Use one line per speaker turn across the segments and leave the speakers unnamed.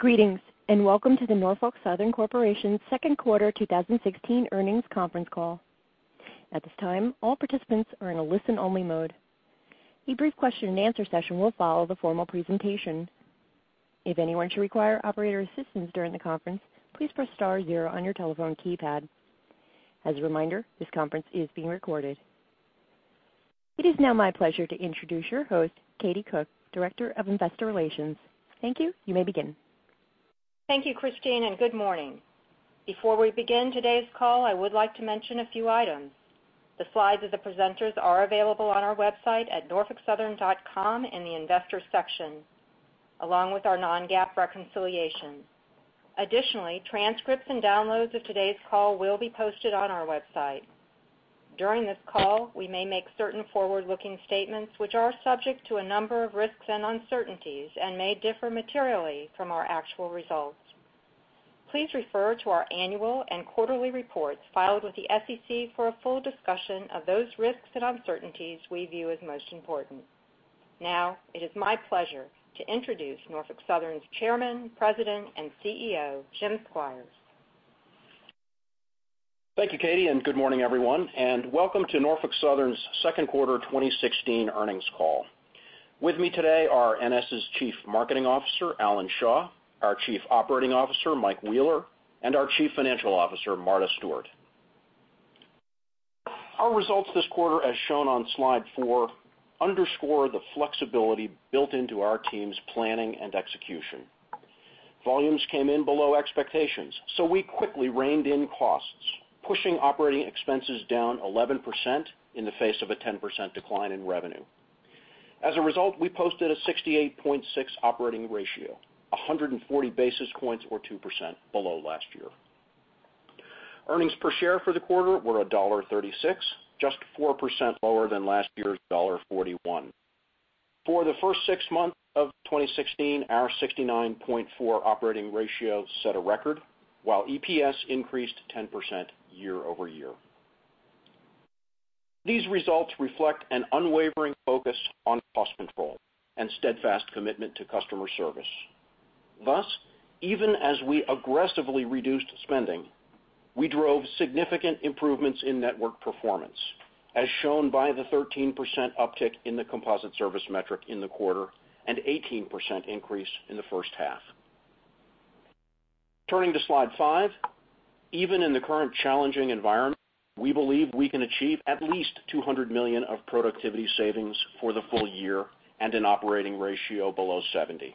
Greetings. Welcome to the Norfolk Southern Corporation's second quarter 2016 earnings conference call. At this time, all participants are in a listen-only mode. A brief question-and-answer session will follow the formal presentation. If anyone should require operator assistance during the conference, please press star zero on your telephone keypad. As a reminder, this conference is being recorded. It is now my pleasure to introduce your host, Katie Cook, Director of Investor Relations. Thank you. You may begin.
Thank you, Christine. Good morning. Before we begin today's call, I would like to mention a few items. The slides of the presenters are available on our website at norfolksouthern.com in the Investors section, along with our non-GAAP reconciliation. Additionally, transcripts and downloads of today's call will be posted on our website. During this call, we may make certain forward-looking statements which are subject to a number of risks and uncertainties and may differ materially from our actual results. Please refer to our annual and quarterly reports filed with the SEC for a full discussion of those risks and uncertainties we view as most important. It is my pleasure to introduce Norfolk Southern's Chairman, President, and CEO, Jim Squires.
Thank you, Katie. Good morning, everyone. Welcome to Norfolk Southern's second quarter 2016 earnings call. With me today are NS's Chief Marketing Officer, Alan Shaw, our Chief Operating Officer, Mike Wheeler, and our Chief Financial Officer, Marta Stewart. Our results this quarter, as shown on slide four, underscore the flexibility built into our team's planning and execution. Volumes came in below expectations. We quickly reined in costs, pushing operating expenses down 11% in the face of a 10% decline in revenue. We posted a 68.6 operating ratio, 140 basis points or 2% below last year. Earnings per share for the quarter were $1.36, just 4% lower than last year's $1.41. For the first six months of 2016, our 69.4 operating ratio set a record, while EPS increased 10% year-over-year. These results reflect an unwavering focus on cost control and steadfast commitment to customer service. Even as we aggressively reduced spending, we drove significant improvements in network performance, as shown by the 13% uptick in the composite service metric in the quarter and 18% increase in the first half. Turning to slide five. Even in the current challenging environment, we believe we can achieve at least $200 million of productivity savings for the full year and an operating ratio below 70.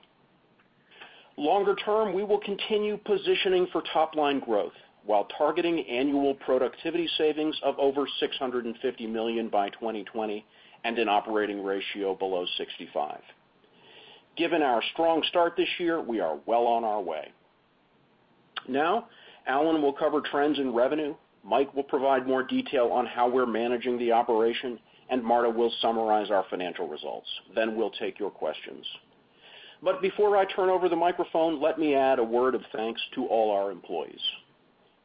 Longer term, we will continue positioning for top-line growth while targeting annual productivity savings of over $650 million by 2020 and an operating ratio below 65. Given our strong start this year, we are well on our way. Alan will cover trends in revenue, Mike will provide more detail on how we're managing the operation, and Marta will summarize our financial results. We'll take your questions. Before I turn over the microphone, let me add a word of thanks to all our employees.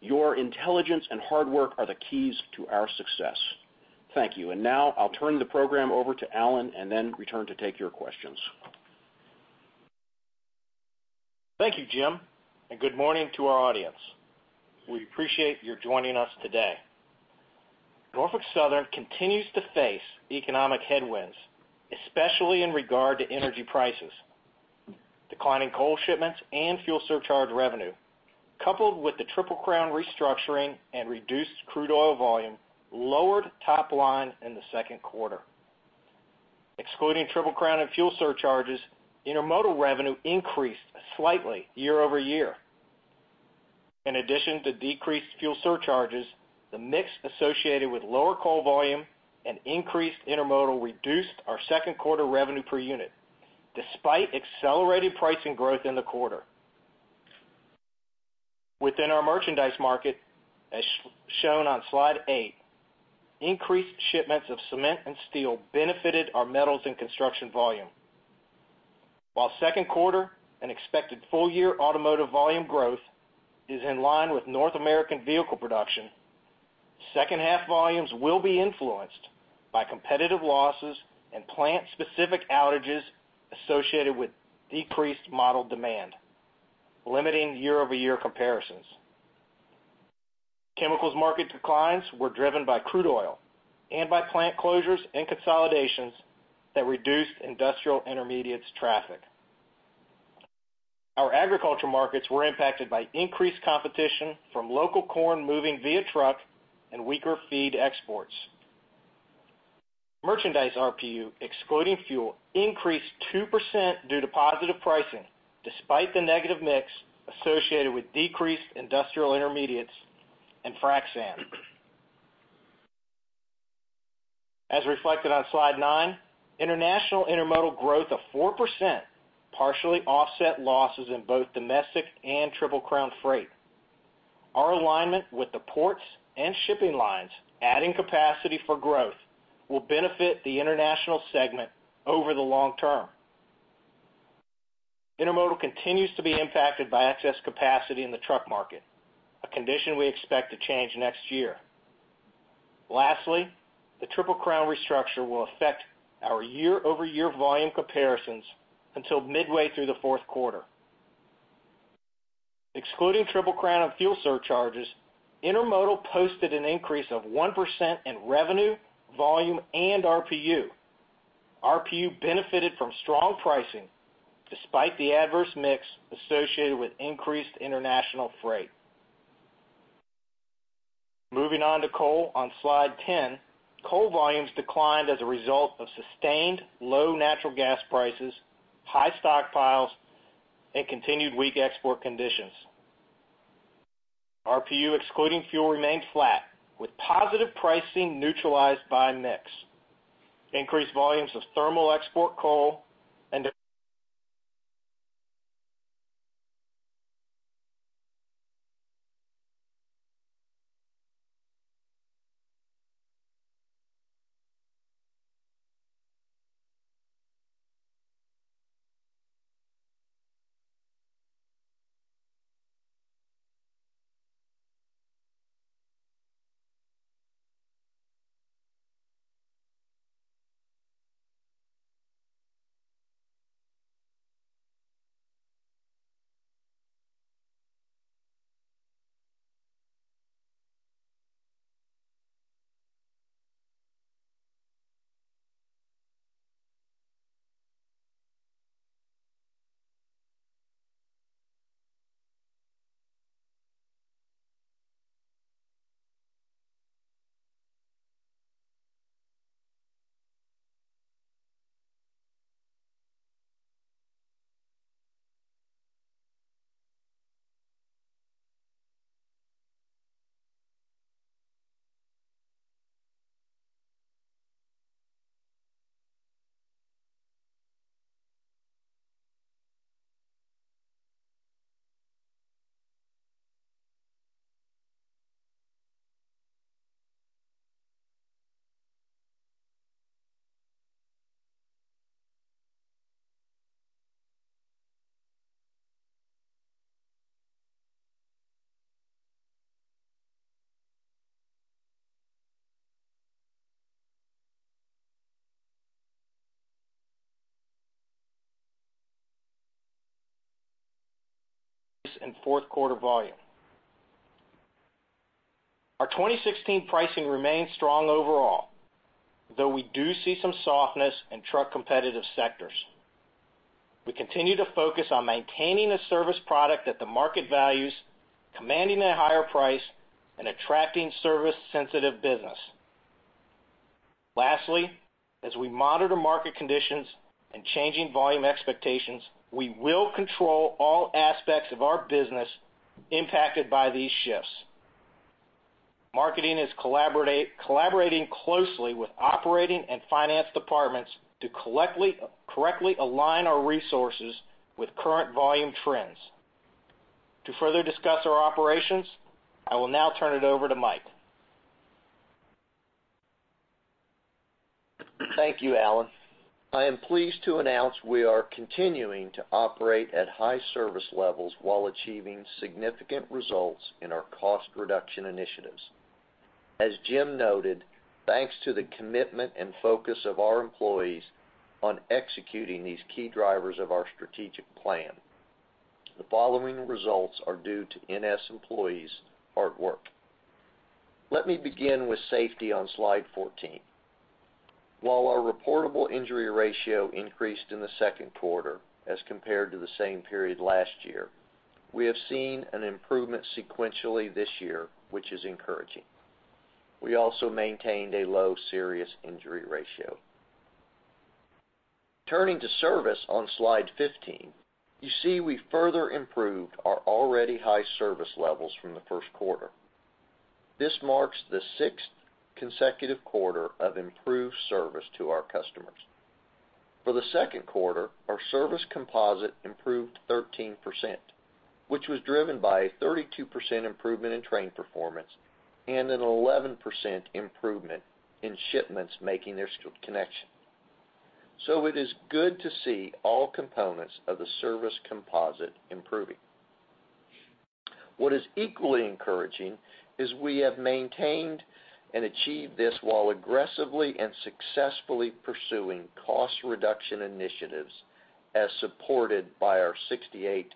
Your intelligence and hard work are the keys to our success. Thank you. Now I'll turn the program over to Alan and then return to take your questions.
Thank you, Jim, good morning to our audience. We appreciate you joining us today. Norfolk Southern continues to face economic headwinds, especially in regard to energy prices. Declining coal shipments and fuel surcharge revenue, coupled with the Triple Crown restructuring and reduced crude oil volume, lowered top line in the second quarter. Excluding Triple Crown and fuel surcharges, intermodal revenue increased slightly year-over-year. In addition to decreased fuel surcharges, the mix associated with lower coal volume and increased intermodal reduced our second quarter revenue per unit, despite accelerated pricing growth in the quarter. Within our merchandise market, as shown on slide eight, increased shipments of cement and steel benefited our metals and construction volume. While second quarter and expected full-year automotive volume growth is in line with North American vehicle production, second half volumes will be influenced by competitive losses and plant-specific outages associated with decreased model demand, limiting year-over-year comparisons. Chemicals market declines were driven by crude oil and by plant closures and consolidations that reduced industrial intermediates traffic. Our agriculture markets were impacted by increased competition from local corn moving via truck and weaker feed exports. Merchandise RPU, excluding fuel, increased 2% due to positive pricing, despite the negative mix associated with decreased industrial intermediates and frac sand. As reflected on slide nine, international intermodal growth of 4% partially offset losses in both domestic and Triple Crown freight. Our alignment with the ports and shipping lines adding capacity for growth will benefit the international segment over the long term. Intermodal continues to be impacted by excess capacity in the truck market, a condition we expect to change next year. Lastly, the Triple Crown restructure will affect our year-over-year volume comparisons until midway through the fourth quarter. Excluding Triple Crown and fuel surcharges, Intermodal posted an increase of 1% in revenue, volume, and RPU. RPU benefited from strong pricing despite the adverse mix associated with increased international freight. Moving on to coal on Slide 10. Coal volumes declined as a result of sustained low natural gas prices, high stockpiles, and continued weak export conditions. RPU, excluding fuel, remained flat, with positive pricing neutralized by mix. Increased volumes of thermal export coal and in fourth quarter volume. Our 2016 pricing remains strong overall, though we do see some softness in truck competitive sectors. We continue to focus on maintaining a service product that the market values, commanding a higher price, and attracting service-sensitive business. Lastly, as we monitor market conditions and changing volume expectations, we will control all aspects of our business impacted by these shifts. Marketing is collaborating closely with operating and finance departments to correctly align our resources with current volume trends. To further discuss our operations, I will now turn it over to Mike.
Thank you, Alan. I am pleased to announce we are continuing to operate at high service levels while achieving significant results in our cost reduction initiatives. As Jim noted, thanks to the commitment and focus of our employees on executing these key drivers of our strategic plan. The following results are due to NS employees' hard work. Let me begin with safety on Slide 14. While our reportable injury ratio increased in the second quarter as compared to the same period last year, we have seen an improvement sequentially this year, which is encouraging. We also maintained a low serious injury ratio. Turning to service on Slide 15, you see we further improved our already high service levels from the first quarter. This marks the sixth consecutive quarter of improved service to our customers. For the second quarter, our service composite improved 13%, which was driven by a 32% improvement in train performance and an 11% improvement in shipments making their connection. It is good to see all components of the service composite improving. What is equally encouraging is we have maintained and achieved this while aggressively and successfully pursuing cost reduction initiatives as supported by our 68.6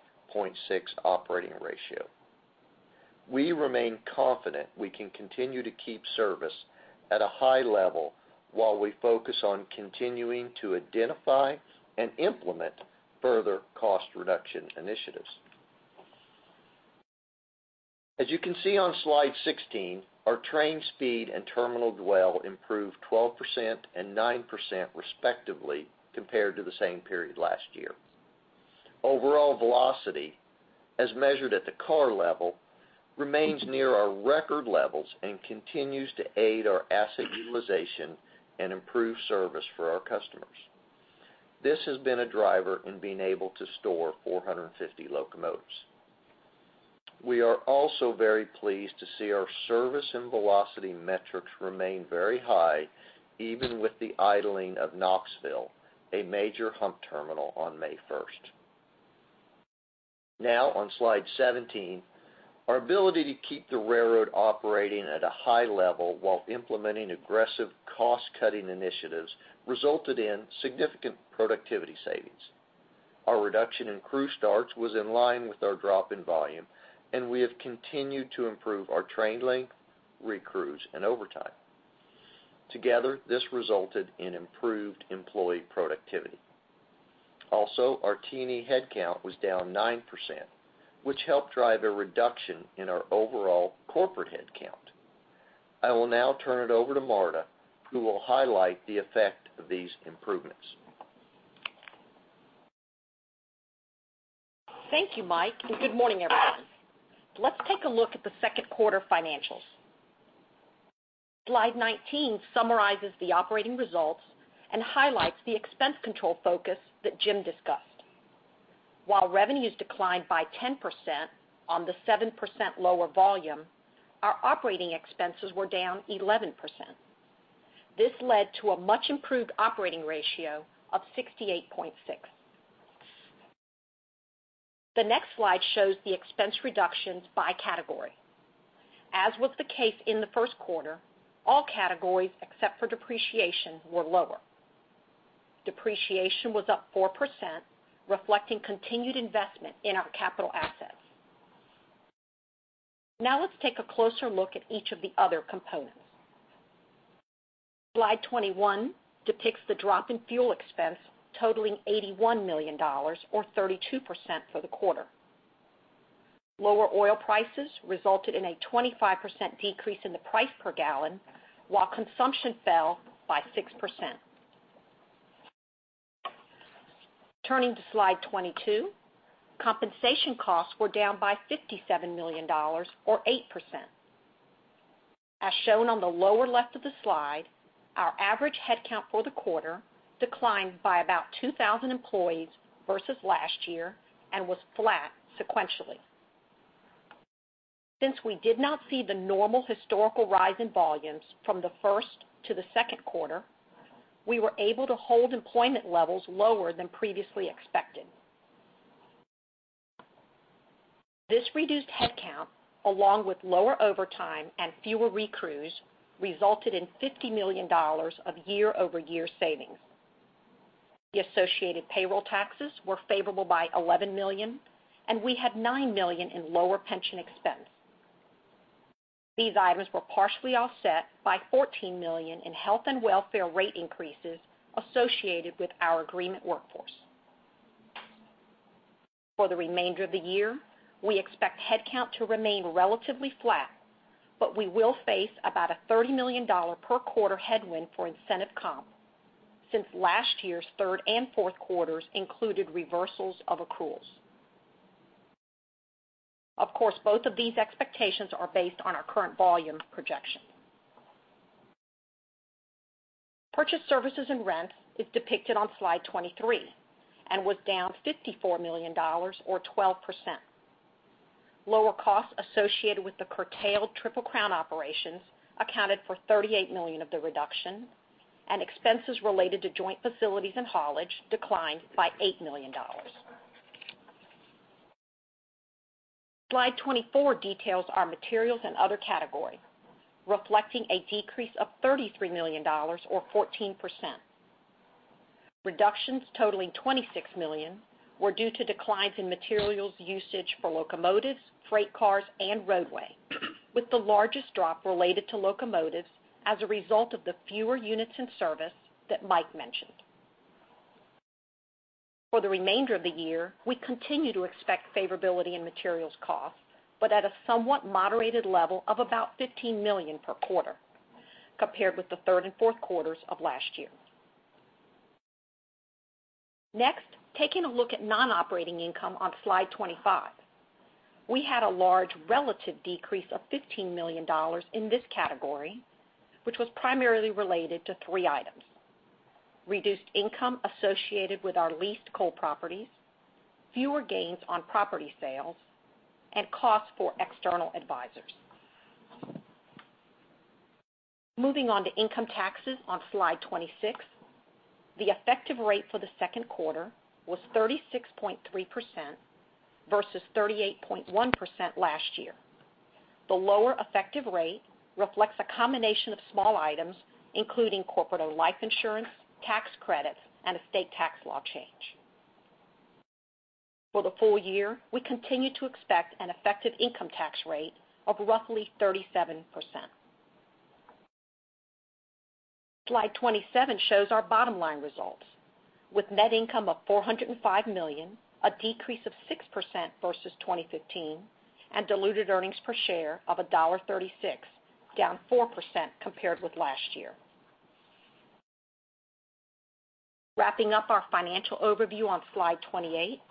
operating ratio. We remain confident we can continue to keep service at a high level while we focus on continuing to identify and implement further cost reduction initiatives. As you can see on Slide 16, our train speed and terminal dwell improved 12% and 9% respectively, compared to the same period last year. Overall velocity, as measured at the car level, remains near our record levels and continues to aid our asset utilization and improve service for our customers. This has been a driver in being able to store 450 locomotives. We are also very pleased to see our service and velocity metrics remain very high, even with the idling of Knoxville, a major hump terminal, on May 1st. On Slide 17, our ability to keep the railroad operating at a high level while implementing aggressive cost-cutting initiatives resulted in significant productivity savings. Our reduction in crew starts was in line with our drop in volume, and we have continued to improve our train length, recrews, and overtime. Together, this resulted in improved employee productivity. Also, our T&E headcount was down 9%, which helped drive a reduction in our overall corporate headcount. I will now turn it over to Marta, who will highlight the effect of these improvements.
Thank you, Mike, and good morning, everyone. Let's take a look at the second quarter financials. Slide 19 summarizes the operating results and highlights the expense control focus that Jim discussed. While revenues declined by 10% on the 7% lower volume, our operating expenses were down 11%. This led to a much improved operating ratio of 68.6. The next slide shows the expense reductions by category. As was the case in the first quarter, all categories except for depreciation were lower. Depreciation was up 4%, reflecting continued investment in our capital assets. Let's take a closer look at each of the other components. Slide 21 depicts the drop in fuel expense totaling $81 million, or 32% for the quarter. Lower oil prices resulted in a 25% decrease in the price per gallon, while consumption fell by 6%. Turning to Slide 22, compensation costs were down by $57 million, or 8%. As shown on the lower left of the slide, our average headcount for the quarter declined by about 2,000 employees versus last year and was flat sequentially. Since we did not see the normal historical rise in volumes from the first to the second quarter, we were able to hold employment levels lower than previously expected. This reduced headcount, along with lower overtime and fewer recrews, resulted in $50 million of year-over-year savings. The associated payroll taxes were favorable by $11 million, and we had $9 million in lower pension expense. These items were partially offset by $14 million in health and welfare rate increases associated with our agreement workforce. For the remainder of the year, we expect headcount to remain relatively flat. We will face about a $30 million per quarter headwind for incentive comp since last year's third and fourth quarters included reversals of accruals. Of course, both of these expectations are based on our current volume projection. Purchase services and rent is depicted on Slide 23 and was down $54 million, or 12%. Lower costs associated with the curtailed Triple Crown operations accounted for $38 million of the reduction, and expenses related to joint facilities and haulage declined by $8 million. Slide 24 details our materials and other category, reflecting a decrease of $33 million or 14%. Reductions totaling $26 million were due to declines in materials usage for locomotives, freight cars, and roadway, with the largest drop related to locomotives as a result of the fewer units in service that Mike mentioned. For the remainder of the year, we continue to expect favorability in materials cost, at a somewhat moderated level of about $15 million per quarter, compared with the third and fourth quarters of last year. Taking a look at non-operating income on Slide 25. We had a large relative decrease of $15 million in this category, which was primarily related to three items: reduced income associated with our leased coal properties, fewer gains on property sales, and costs for external advisors. Moving on to income taxes on Slide 26. The effective rate for the second quarter was 36.3% versus 38.1% last year. The lower effective rate reflects a combination of small items, including corporate life insurance, tax credits, and a state tax law change. For the full year, we continue to expect an effective income tax rate of roughly 37%. Slide 27 shows our bottom line results. With net income of $405 million, a decrease of 6% versus 2015, and diluted earnings per share of $1.36, down 4% compared with last year. Wrapping up our financial overview on Slide 28,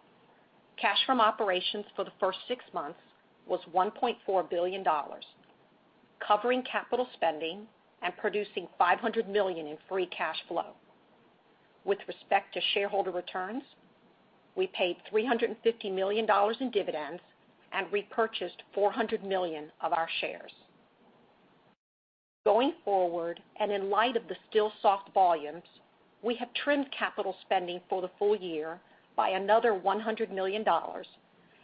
cash from operations for the first six months was $1.4 billion, covering capital spending and producing $500 million in free cash flow. With respect to shareholder returns, we paid $350 million in dividends and repurchased $400 million of our shares. Going forward, in light of the still soft volumes, we have trimmed capital spending for the full year by another $100 million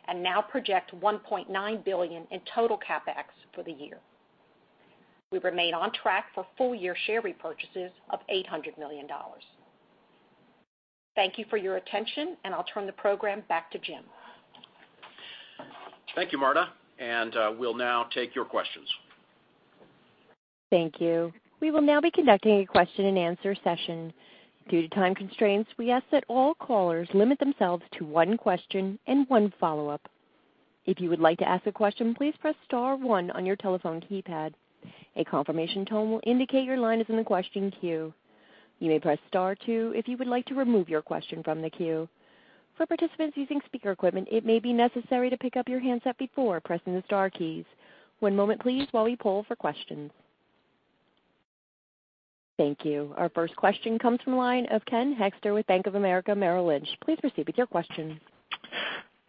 and now project $1.9 billion in total CapEx for the year. We remain on track for full-year share repurchases of $800 million. Thank you for your attention, and I'll turn the program back to Jim.
Thank you, Marta, and we'll now take your questions.
Thank you. We will now be conducting a question and answer session. Due to time constraints, we ask that all callers limit themselves to one question and one follow-up. If you would like to ask a question, please press star one on your telephone keypad. A confirmation tone will indicate your line is in the question queue. You may press star two if you would like to remove your question from the queue. For participants using speaker equipment, it may be necessary to pick up your handset before pressing the star keys. One moment please while we poll for questions. Thank you. Our first question comes from the line of Ken Hoexter with Bank of America Merrill Lynch. Please proceed with your question.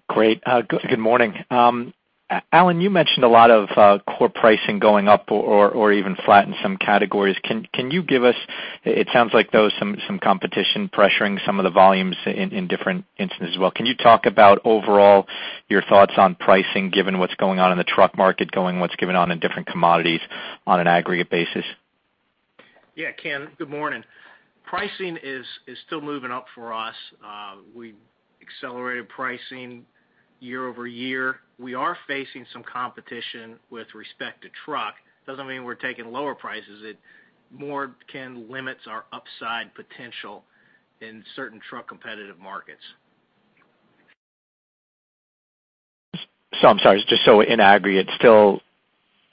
Great. Good morning. Alan, you mentioned a lot of core pricing going up or even flat in some categories. It sounds like there was some competition pressuring some of the volumes in different instances as well. Can you talk about overall your thoughts on pricing, given what's going on in the truck market, going what's going on in different commodities on an aggregate basis?
Yeah, Ken, good morning. Pricing is still moving up for us. We accelerated pricing year-over-year. We are facing some competition with respect to truck. Doesn't mean we're taking lower prices. It more can limits our upside potential in certain truck competitive markets.
I'm sorry, just so in aggregate, still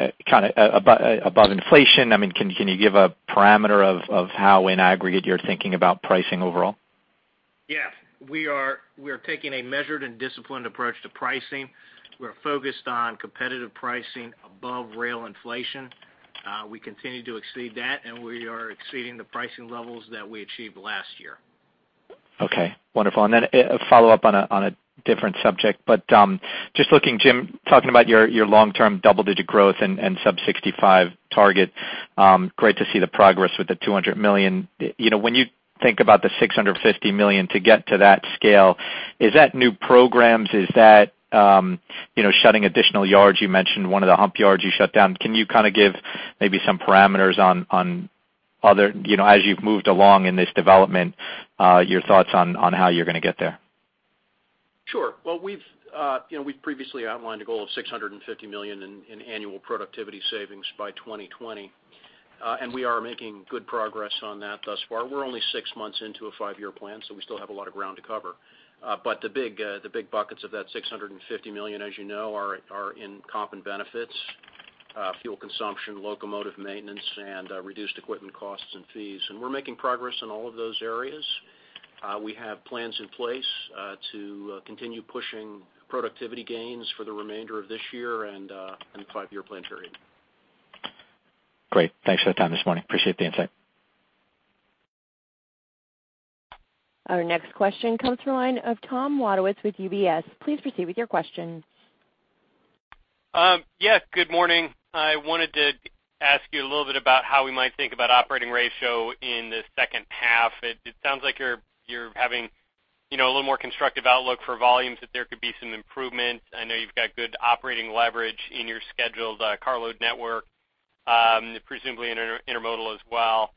above inflation. Can you give a parameter of how in aggregate you're thinking about pricing overall?
Yeah. We are taking a measured and disciplined approach to pricing. We're focused on competitive pricing above rail inflation. We continue to exceed that, and we are exceeding the pricing levels that we achieved last year.
Okay, wonderful. A follow-up on a different subject. Just looking, Jim, talking about your long-term double-digit growth and sub 65% target, great to see the progress with the $200 million. When you think about the $650 million to get to that scale, is that new programs? Is that shutting additional yards? You mentioned one of the hump yards you shut down. Can you give maybe some parameters as you've moved along in this development, your thoughts on how you're going to get there?
Well, we've previously outlined a goal of $650 million in annual productivity savings by 2020. We are making good progress on that thus far. We're only six months into a five-year plan, we still have a lot of ground to cover. The big buckets of that $650 million, as you know, are in comp and benefits, fuel consumption, locomotive maintenance, and reduced equipment costs and fees. We're making progress in all of those areas. We have plans in place to continue pushing productivity gains for the remainder of this year and the five-year plan period.
Great. Thanks for the time this morning. Appreciate the insight.
Our next question comes from the line of Tom Wadewitz with UBS. Please proceed with your question.
Yes, good morning. I wanted to ask you a little bit about how we might think about operating ratio in the second half. It sounds like you're having a little more constructive outlook for volumes, that there could be some improvement. I know you've got good operating leverage in your scheduled carload network, presumably in intermodal as well.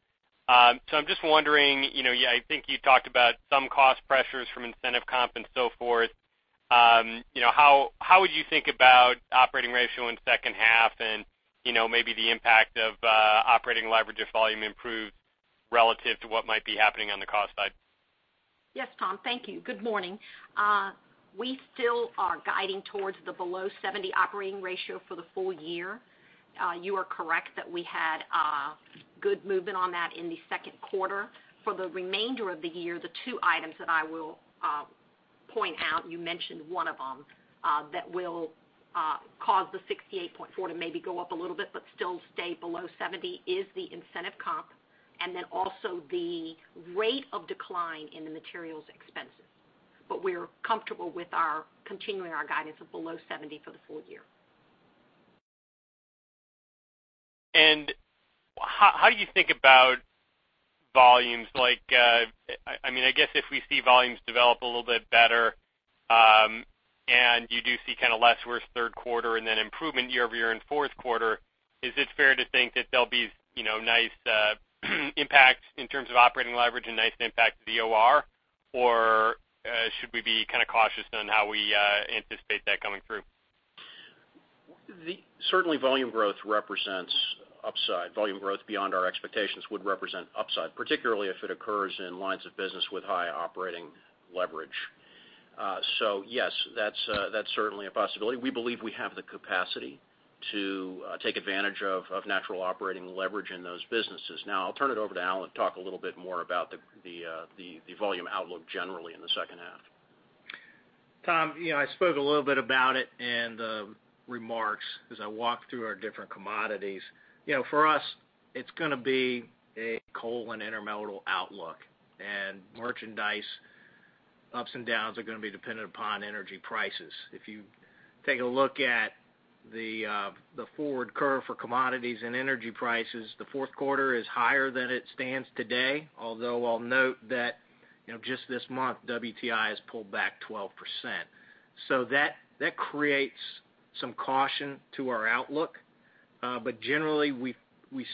I'm just wondering, I think you talked about some cost pressures from incentive comp and so forth. How would you think about operating ratio in second half and maybe the impact of operating leverage if volume improves relative to what might be happening on the cost side?
Yes, Tom, thank you. Good morning. We still are guiding towards the below 70 operating ratio for the full year. You are correct that we had good movement on that in the second quarter. For the remainder of the year, the two items that I will point out, you mentioned one of them, that will cause the 68.4 to maybe go up a little bit but still stay below 70 is the incentive comp and then also the rate of decline in the materials expenses. We are comfortable with continuing our guidance of below 70 for the full year.
How do you think about volumes? I guess if we see volumes develop a little bit better, you do see less worse third quarter and then improvement year-over-year in fourth quarter, is it fair to think that there'll be nice impacts in terms of operating leverage and nice impact to the OR, should we be cautious on how we anticipate that coming through?
Certainly, volume growth represents upside. Volume growth beyond our expectations would represent upside, particularly if it occurs in lines of business with high operating leverage. Yes, that's certainly a possibility. We believe we have the capacity to take advantage of natural operating leverage in those businesses. I'll turn it over to Alan to talk a little bit more about the volume outlook generally in the second half.
Tom, I spoke a little bit about it in the remarks as I walked through our different commodities. For us, it's going to be a coal and intermodal outlook, and merchandise Ups and downs are going to be dependent upon energy prices. If you take a look at the forward curve for commodities and energy prices, the fourth quarter is higher than it stands today, although I'll note that just this month, WTI has pulled back 12%. That creates some caution to our outlook. Generally, we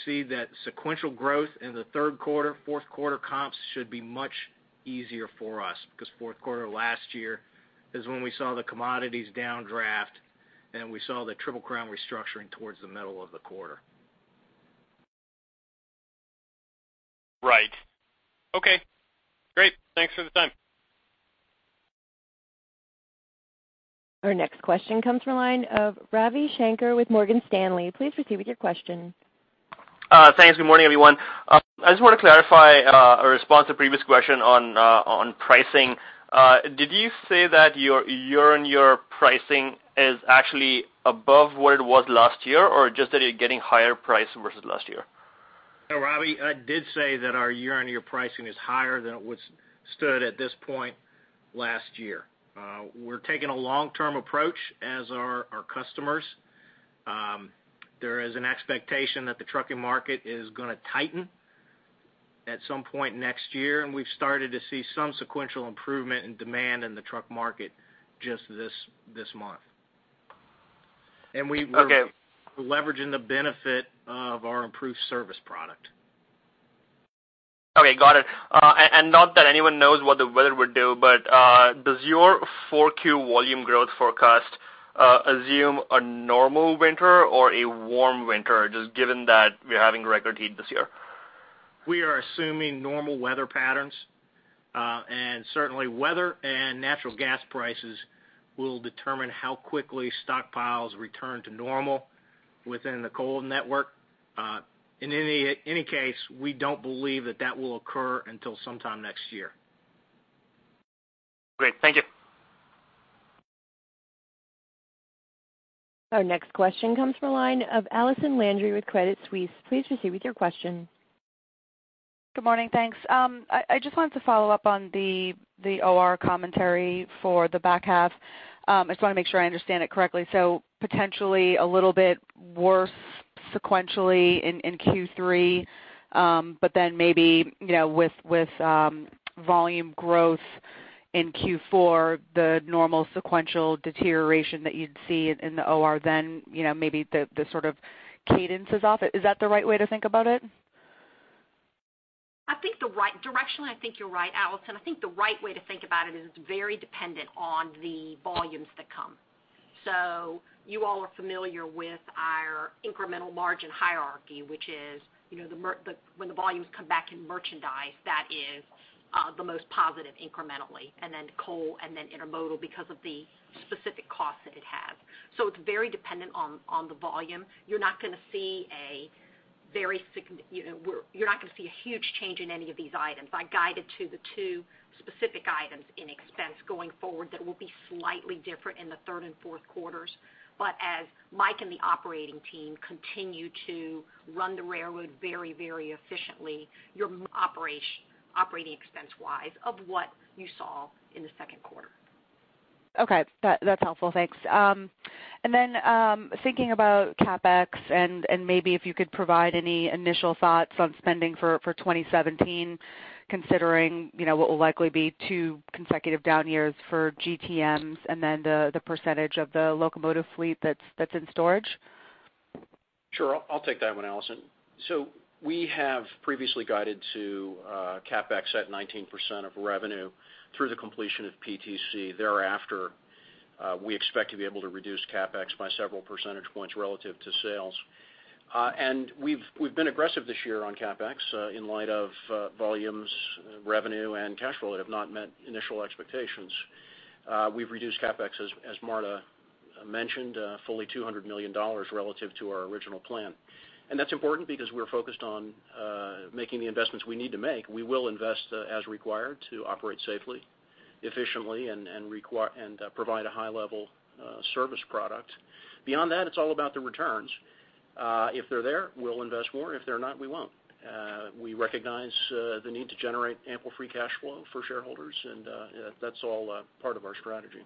see that sequential growth in the third quarter, fourth quarter comps should be much easier for us, because fourth quarter last year is when we saw the commodities downdraft, and we saw the Triple Crown Services restructuring towards the middle of the quarter.
Right. Okay, great. Thanks for the time.
Our next question comes from the line of Ravi Shanker with Morgan Stanley. Please proceed with your question.
Thanks. Good morning, everyone. I just want to clarify a response to previous question on pricing. Did you say that your year-on-year pricing is actually above what it was last year, or just that you're getting higher price versus last year?
No, Ravi, I did say that our year-on-year pricing is higher than it stood at this point last year. We're taking a long-term approach as are our customers. There is an expectation that the trucking market is going to tighten at some point next year, we've started to see some sequential improvement in demand in the truck market just this month.
Okay.
We're leveraging the benefit of our improved service product.
Okay, got it. Not that anyone knows what the weather would do, but does your 4Q volume growth forecast assume a normal winter or a warm winter, just given that we're having record heat this year?
We are assuming normal weather patterns. Certainly, weather and natural gas prices will determine how quickly stockpiles return to normal within the coal network. In any case, we don't believe that that will occur until sometime next year.
Great. Thank you.
Our next question comes from the line of Allison Landry with Credit Suisse. Please proceed with your question.
Good morning. Thanks. I just wanted to follow up on the OR commentary for the back half. I just want to make sure I understand it correctly. Potentially a little bit worse sequentially in Q3, maybe, with volume growth in Q4, the normal sequential deterioration that you'd see in the OR, maybe the sort of cadence is off. Is that the right way to think about it?
Directionally, I think you're right, Allison. I think the right way to think about it is it's very dependent on the volumes that come. You all are familiar with our incremental margin hierarchy, which is when the volumes come back in merchandise, that is the most positive incrementally, and then coal, and then intermodal because of the specific cost that it has. It's very dependent on the volume. You're not going to see a huge change in any of these items. I guided to the two specific items in expense going forward that will be slightly different in the third and fourth quarters. As Mike and the operating team continue to run the railroad very efficiently, your operation, operating expense-wise, of what you saw in the second quarter.
Okay. That's helpful. Thanks. Thinking about CapEx and maybe if you could provide any initial thoughts on spending for 2017, considering what will likely be two consecutive down years for GTMs the percentage of the locomotive fleet that's in storage.
Sure. I'll take that one, Allison. We have previously guided to CapEx at 19% of revenue through the completion of PTC. Thereafter, we expect to be able to reduce CapEx by several percentage points relative to sales. We've been aggressive this year on CapEx in light of volumes, revenue, and cash flow that have not met initial expectations. We've reduced CapEx, as Marta mentioned, fully $200 million relative to our original plan. That's important because we're focused on making the investments we need to make. We will invest as required to operate safely, efficiently, and provide a high-level service product. Beyond that, it's all about the returns. If they're there, we'll invest more. If they're not, we won't. We recognize the need to generate ample free cash flow for shareholders, and that's all part of our strategy.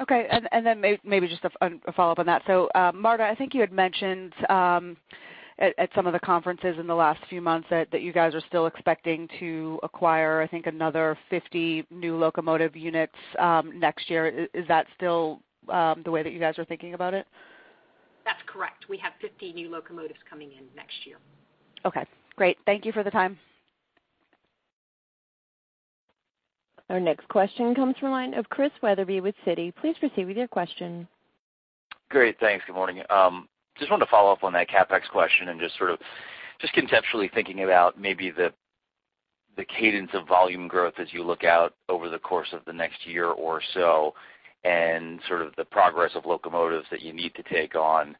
Okay. Maybe just a follow-up on that. Marta, I think you had mentioned at some of the conferences in the last few months that you guys are still expecting to acquire, I think, another 50 new locomotive units next year. Is that still the way that you guys are thinking about it?
That's correct. We have 50 new locomotives coming in next year.
Okay, great. Thank you for the time.
Our next question comes from the line of Chris Wetherbee with Citi. Please proceed with your question.
Great, thanks. Good morning. Just wanted to follow up on that CapEx question and just conceptually thinking about maybe the cadence of volume growth as you look out over the course of the next year or so, and sort of the progress of locomotives that you need to take on.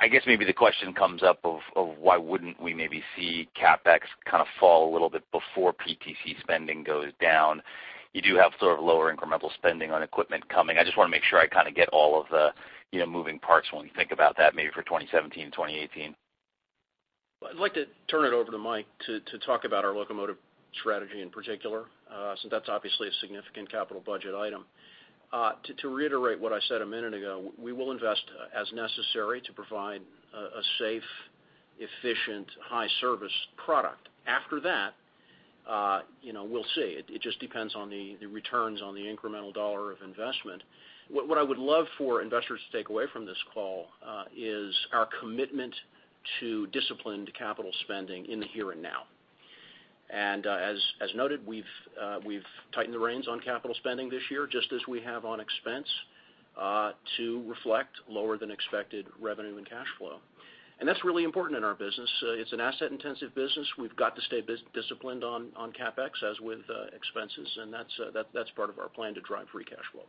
I guess maybe the question comes up of why wouldn't we maybe see CapEx kind of fall a little bit before PTC spending goes down? You do have sort of lower incremental spending on equipment coming. I just want to make sure I kind of get all of the moving parts when we think about that, maybe for 2017 and 2018.
I'd like to turn it over to Mike to talk about our locomotive strategy in particular, since that's obviously a significant capital budget item. To reiterate what I said a minute ago, we will invest as necessary to provide a safe, efficient, high-service product. After that, we'll see. It just depends on the returns on the incremental dollar of investment. What I would love for investors to take away from this call is our commitment to disciplined capital spending in the here and now. As noted, we've tightened the reins on capital spending this year, just as we have on expense, to reflect lower than expected revenue and cash flow. That's really important in our business. It's an asset intensive business. We've got to stay disciplined on CapEx as with expenses, and that's part of our plan to drive free cash flow.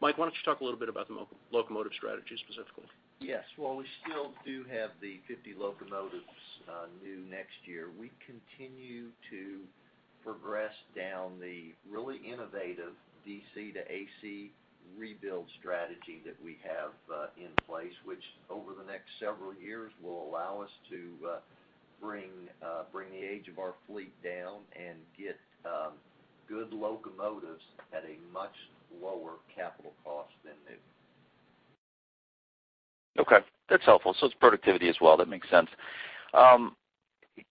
Mike, why don't you talk a little bit about the locomotive strategy specifically?
Yes. While we still do have the 50 locomotives new next year, we continue to progress down the really innovative DC to AC rebuild strategy that we have in place, which over the next several years will allow us to bring the age of our fleet down and get good locomotives at a much lower capital cost than new.
Okay, that's helpful. It's productivity as well. That makes sense.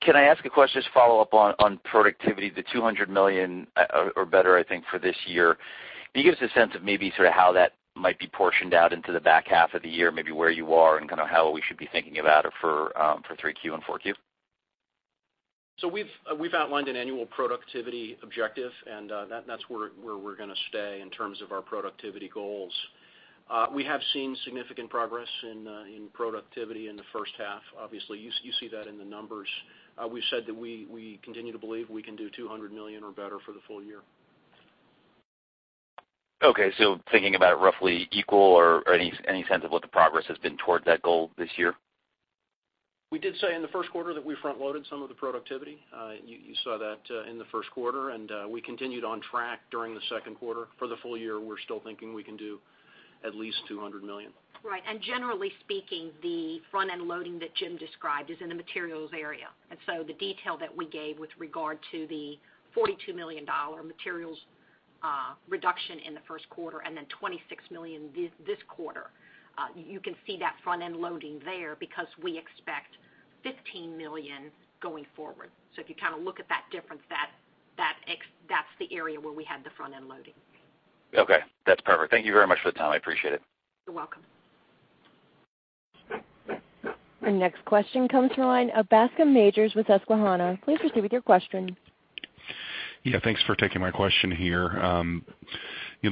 Can I ask a question, just follow up on productivity, the $200 million or better, I think, for this year? Can you give us a sense of maybe sort of how that might be portioned out into the back half of the year, maybe where you are and kind of how we should be thinking about it for 3Q and 4Q?
We've outlined an annual productivity objective, and that's where we're going to stay in terms of our productivity goals. We have seen significant progress in productivity in the first half. Obviously, you see that in the numbers. We've said that we continue to believe we can do $200 million or better for the full year.
Okay, thinking about it roughly equal or any sense of what the progress has been towards that goal this year?
We did say in the first quarter that we front loaded some of the productivity. You saw that in the first quarter, and we continued on track during the second quarter. For the full year, we're still thinking we can do at least $200 million.
Right. Generally speaking, the front-end loading that Jim described is in the materials area. The detail that we gave with regard to the $42 million materials reduction in the first quarter and then $26 million this quarter, you can see that front-end loading there because we expect $15 million going forward. If you kind of look at that difference, that's the area where we had the front-end loading.
Okay. That's perfect. Thank you very much for the time. I appreciate it.
You're welcome.
Our next question comes from the line of Bascome Majors with Susquehanna. Please proceed with your question.
Yeah. Thanks for taking my question here.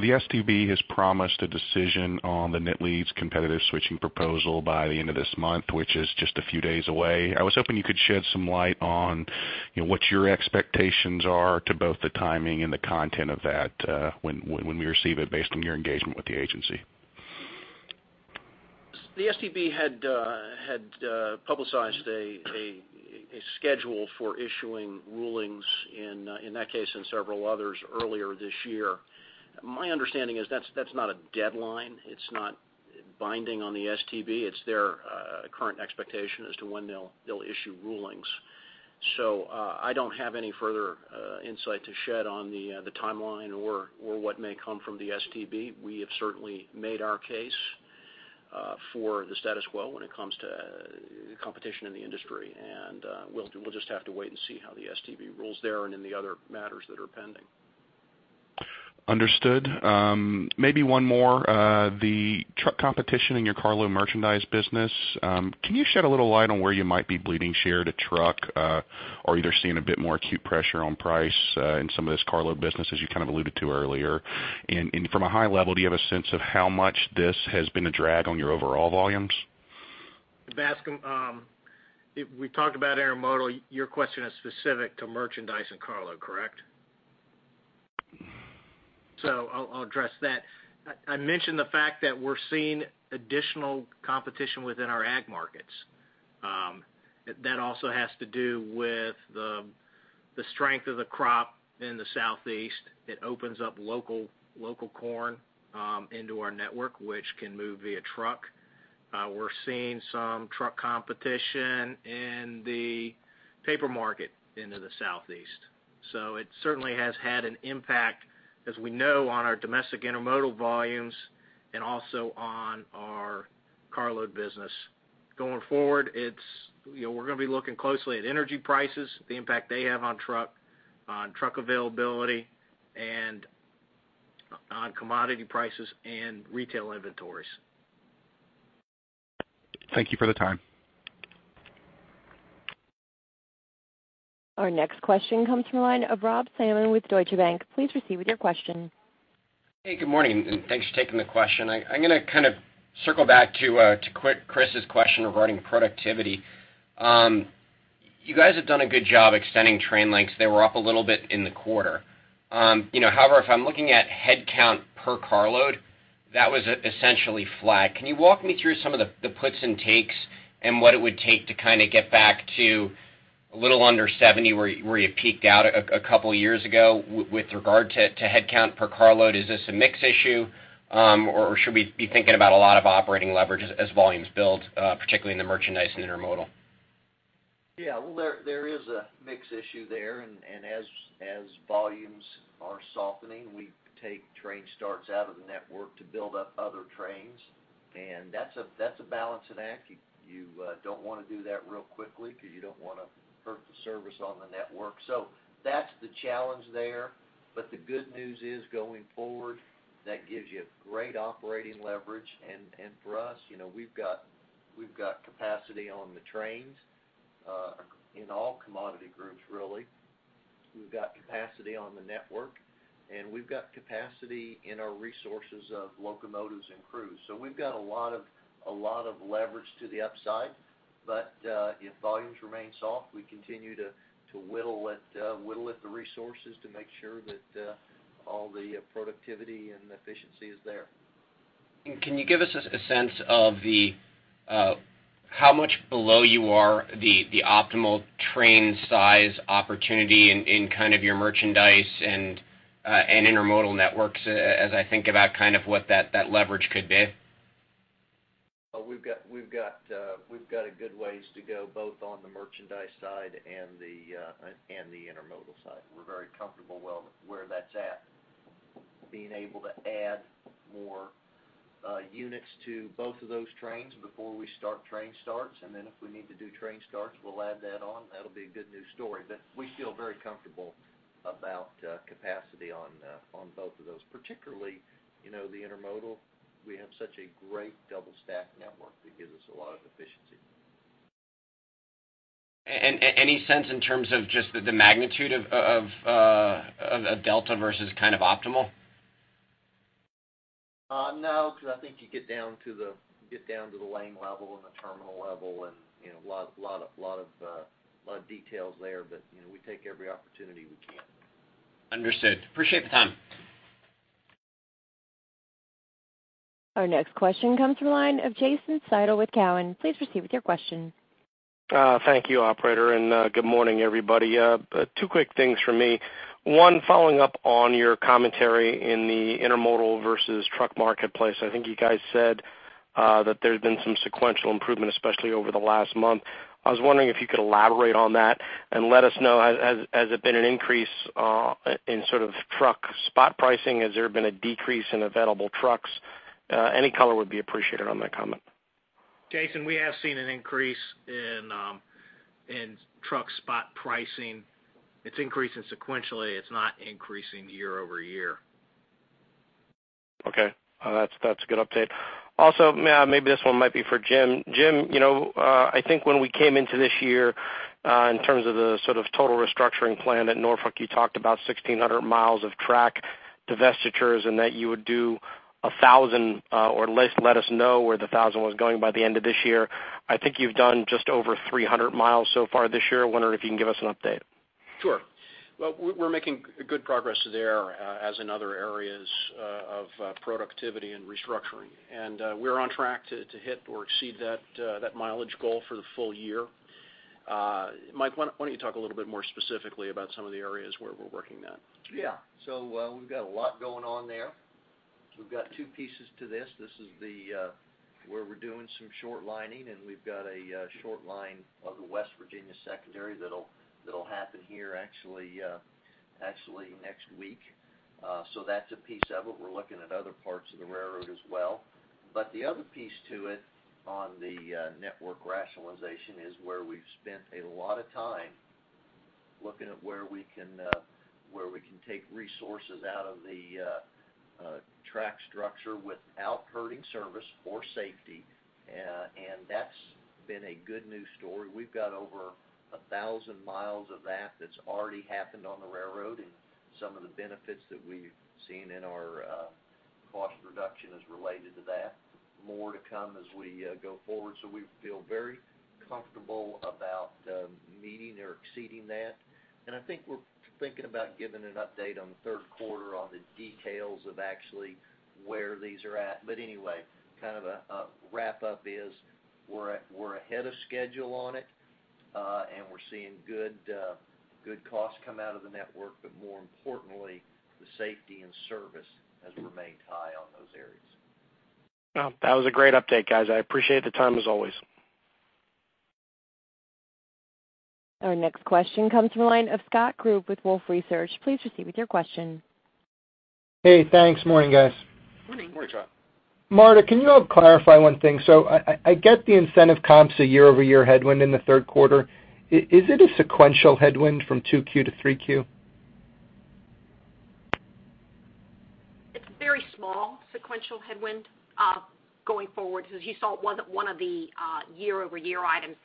The STB has promised a decision on the competitive switching proposal by the end of this month, which is just a few days away. I was hoping you could shed some light on what your expectations are to both the timing and the content of that when we receive it based on your engagement with the agency.
The STB had publicized a schedule for issuing rulings in that case and several others earlier this year. My understanding is that's not a deadline. It's not binding on the STB. It's their current expectation as to when they'll issue rulings. I don't have any further insight to shed on the timeline or what may come from the STB. We have certainly made our case for the status quo when it comes to competition in the industry, we'll just have to wait and see how the STB rules there and in the other matters that are pending.
Understood. Maybe one more. The truck competition in your carload merchandise business, can you shed a little light on where you might be bleeding share to truck, or either seeing a bit more acute pressure on price in some of this carload business, as you kind of alluded to earlier? From a high level, do you have a sense of how much this has been a drag on your overall volumes?
Bascom, we talked about intermodal. Your question is specific to merchandise and carload, correct? I'll address that. I mentioned the fact that we're seeing additional competition within our ag markets. That also has to do with the strength of the crop in the Southeast. It opens up local corn into our network, which can move via truck. We're seeing some truck competition in the paper market into the Southeast. It certainly has had an impact, as we know, on our domestic intermodal volumes and also on our carload business. Going forward, we're going to be looking closely at energy prices, the impact they have on truck availability, and on commodity prices and retail inventories.
Thank you for the time.
Our next question comes from the line of Rob Salmon with Deutsche Bank. Please proceed with your question.
Hey, good morning, thanks for taking the question. I'm going to kind of circle back to Chris's question regarding productivity. You guys have done a good job extending train lengths. They were up a little bit in the quarter. However, if I'm looking at headcount per carload, that was essentially flat. Can you walk me through some of the puts and takes and what it would take to kind of get back to a little under 70, where you peaked out a couple of years ago with regard to headcount per carload. Is this a mix issue, or should we be thinking about a lot of operating leverage as volumes build, particularly in the merchandise and intermodal?
Yeah. Well, there is a mix issue there. As volumes are softening, we take train starts out of the network to build up other trains. That's a balancing act. You don't want to do that real quickly because you don't want to hurt the service on the network. That's the challenge there. The good news is, going forward, that gives you great operating leverage. For us, we've got capacity on the trains, in all commodity groups, really. We've got capacity on the network, and we've got capacity in our resources of locomotives and crews. We've got a lot of leverage to the upside. If volumes remain soft, we continue to whittle at the resources to make sure that all the productivity and efficiency is there.
Can you give us a sense of how much below you are the optimal train size opportunity in your merchandise and intermodal networks, as I think about what that leverage could be?
We've got a good ways to go, both on the merchandise side and the intermodal side. We're very comfortable where that's at. Being able to add more units to both of those trains before we start train starts, and then if we need to do train starts, we'll add that on. That'll be a good news story. We feel very comfortable about capacity on both of those, particularly, the intermodal. We have such a great double-stack network that gives us a lot of efficiency.
Any sense in terms of just the magnitude of delta versus optimal?
No, because I think you get down to the lane level and the terminal level, a lot of details there, but we take every opportunity we can.
Understood. Appreciate the time.
Our next question comes from the line of Jason Seidl with Cowen. Please proceed with your question.
Thank you, operator, good morning, everybody. Two quick things from me. One, following up on your commentary in the intermodal versus truck marketplace. I think you guys said that there's been some sequential improvement, especially over the last month. I was wondering if you could elaborate on that, let us know, has it been an increase in truck spot pricing? Has there been a decrease in available trucks? Any color would be appreciated on that comment.
Jason, we have seen an increase in truck spot pricing. It's increasing sequentially. It's not increasing year-over-year.
Okay. That's a good update. Maybe this one might be for Jim. Jim, I think when we came into this year, in terms of the total restructuring plan at Norfolk, you talked about 1,600 miles of track divestitures and that you would do 1,000 or let us know where the 1,000 was going by the end of this year. I think you've done just over 300 miles so far this year. Wondering if you can give us an update.
Sure. Well, we're making good progress there, as in other areas of productivity and restructuring. We're on track to hit or exceed that mileage goal for the full year. Mike, why don't you talk a little bit more specifically about some of the areas where we're working that?
Yeah. We've got a lot going on there. We've got two pieces to this. This is where we're doing some short lining, and we've got a short line on the West Virginia secondary that'll happen here actually next week. That's a piece of it. We're looking at other parts of the railroad as well. The other piece to it on the network rationalization is where we've spent a lot of time looking at where we can take resources out of the track structure without hurting service or safety. That's been a good news story. We've got over 1,000 miles of that that's already happened on the railroad, and some of the benefits that we've seen in our cost reduction is related to that. More to come as we go forward. We feel very comfortable about meeting or exceeding that. I think we're thinking about giving an update on the third quarter on the details of actually where these are at. Anyway, kind of a wrap-up is we're ahead of schedule on it, and we're seeing good costs come out of the network, but more importantly, the safety and service has remained high on those areas.
Well, that was a great update, guys. I appreciate the time, as always.
Our next question comes from the line of Scott Group with Wolfe Research. Please proceed with your question.
Hey, thanks. Morning, guys.
Morning.
Morning, Scott.
Marta, can you clarify one thing? I get the incentive comps a year-over-year headwind in the third quarter. Is it a sequential headwind from 2Q to 3Q?
It's a very small sequential headwind going forward. As you saw, it wasn't one of the year-over-year items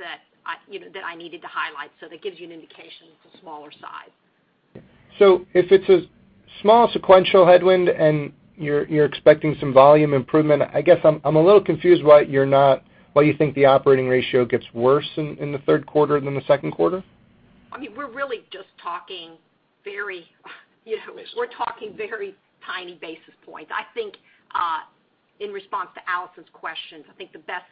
that I needed to highlight. That gives you an indication it's a smaller size.
If it's a small sequential headwind and you're expecting some volume improvement, I guess I'm a little confused why you think the operating ratio gets worse in the third quarter than the second quarter.
We're talking very tiny basis points. I think. In response to Allison's question, I think the best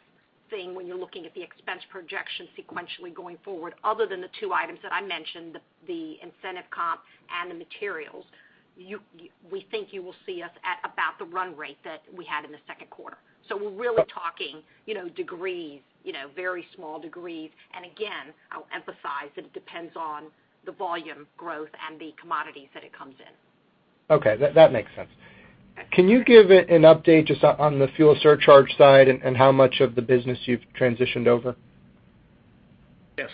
thing when you're looking at the expense projection sequentially going forward, other than the two items that I mentioned, the incentive comp and the materials, we think you will see us at about the run rate that we had in the second quarter. We're really talking degrees, very small degrees, and again, I'll emphasize that it depends on the volume growth and the commodities that it comes in.
Okay. That makes sense. Can you give an update just on the fuel surcharge side and how much of the business you've transitioned over?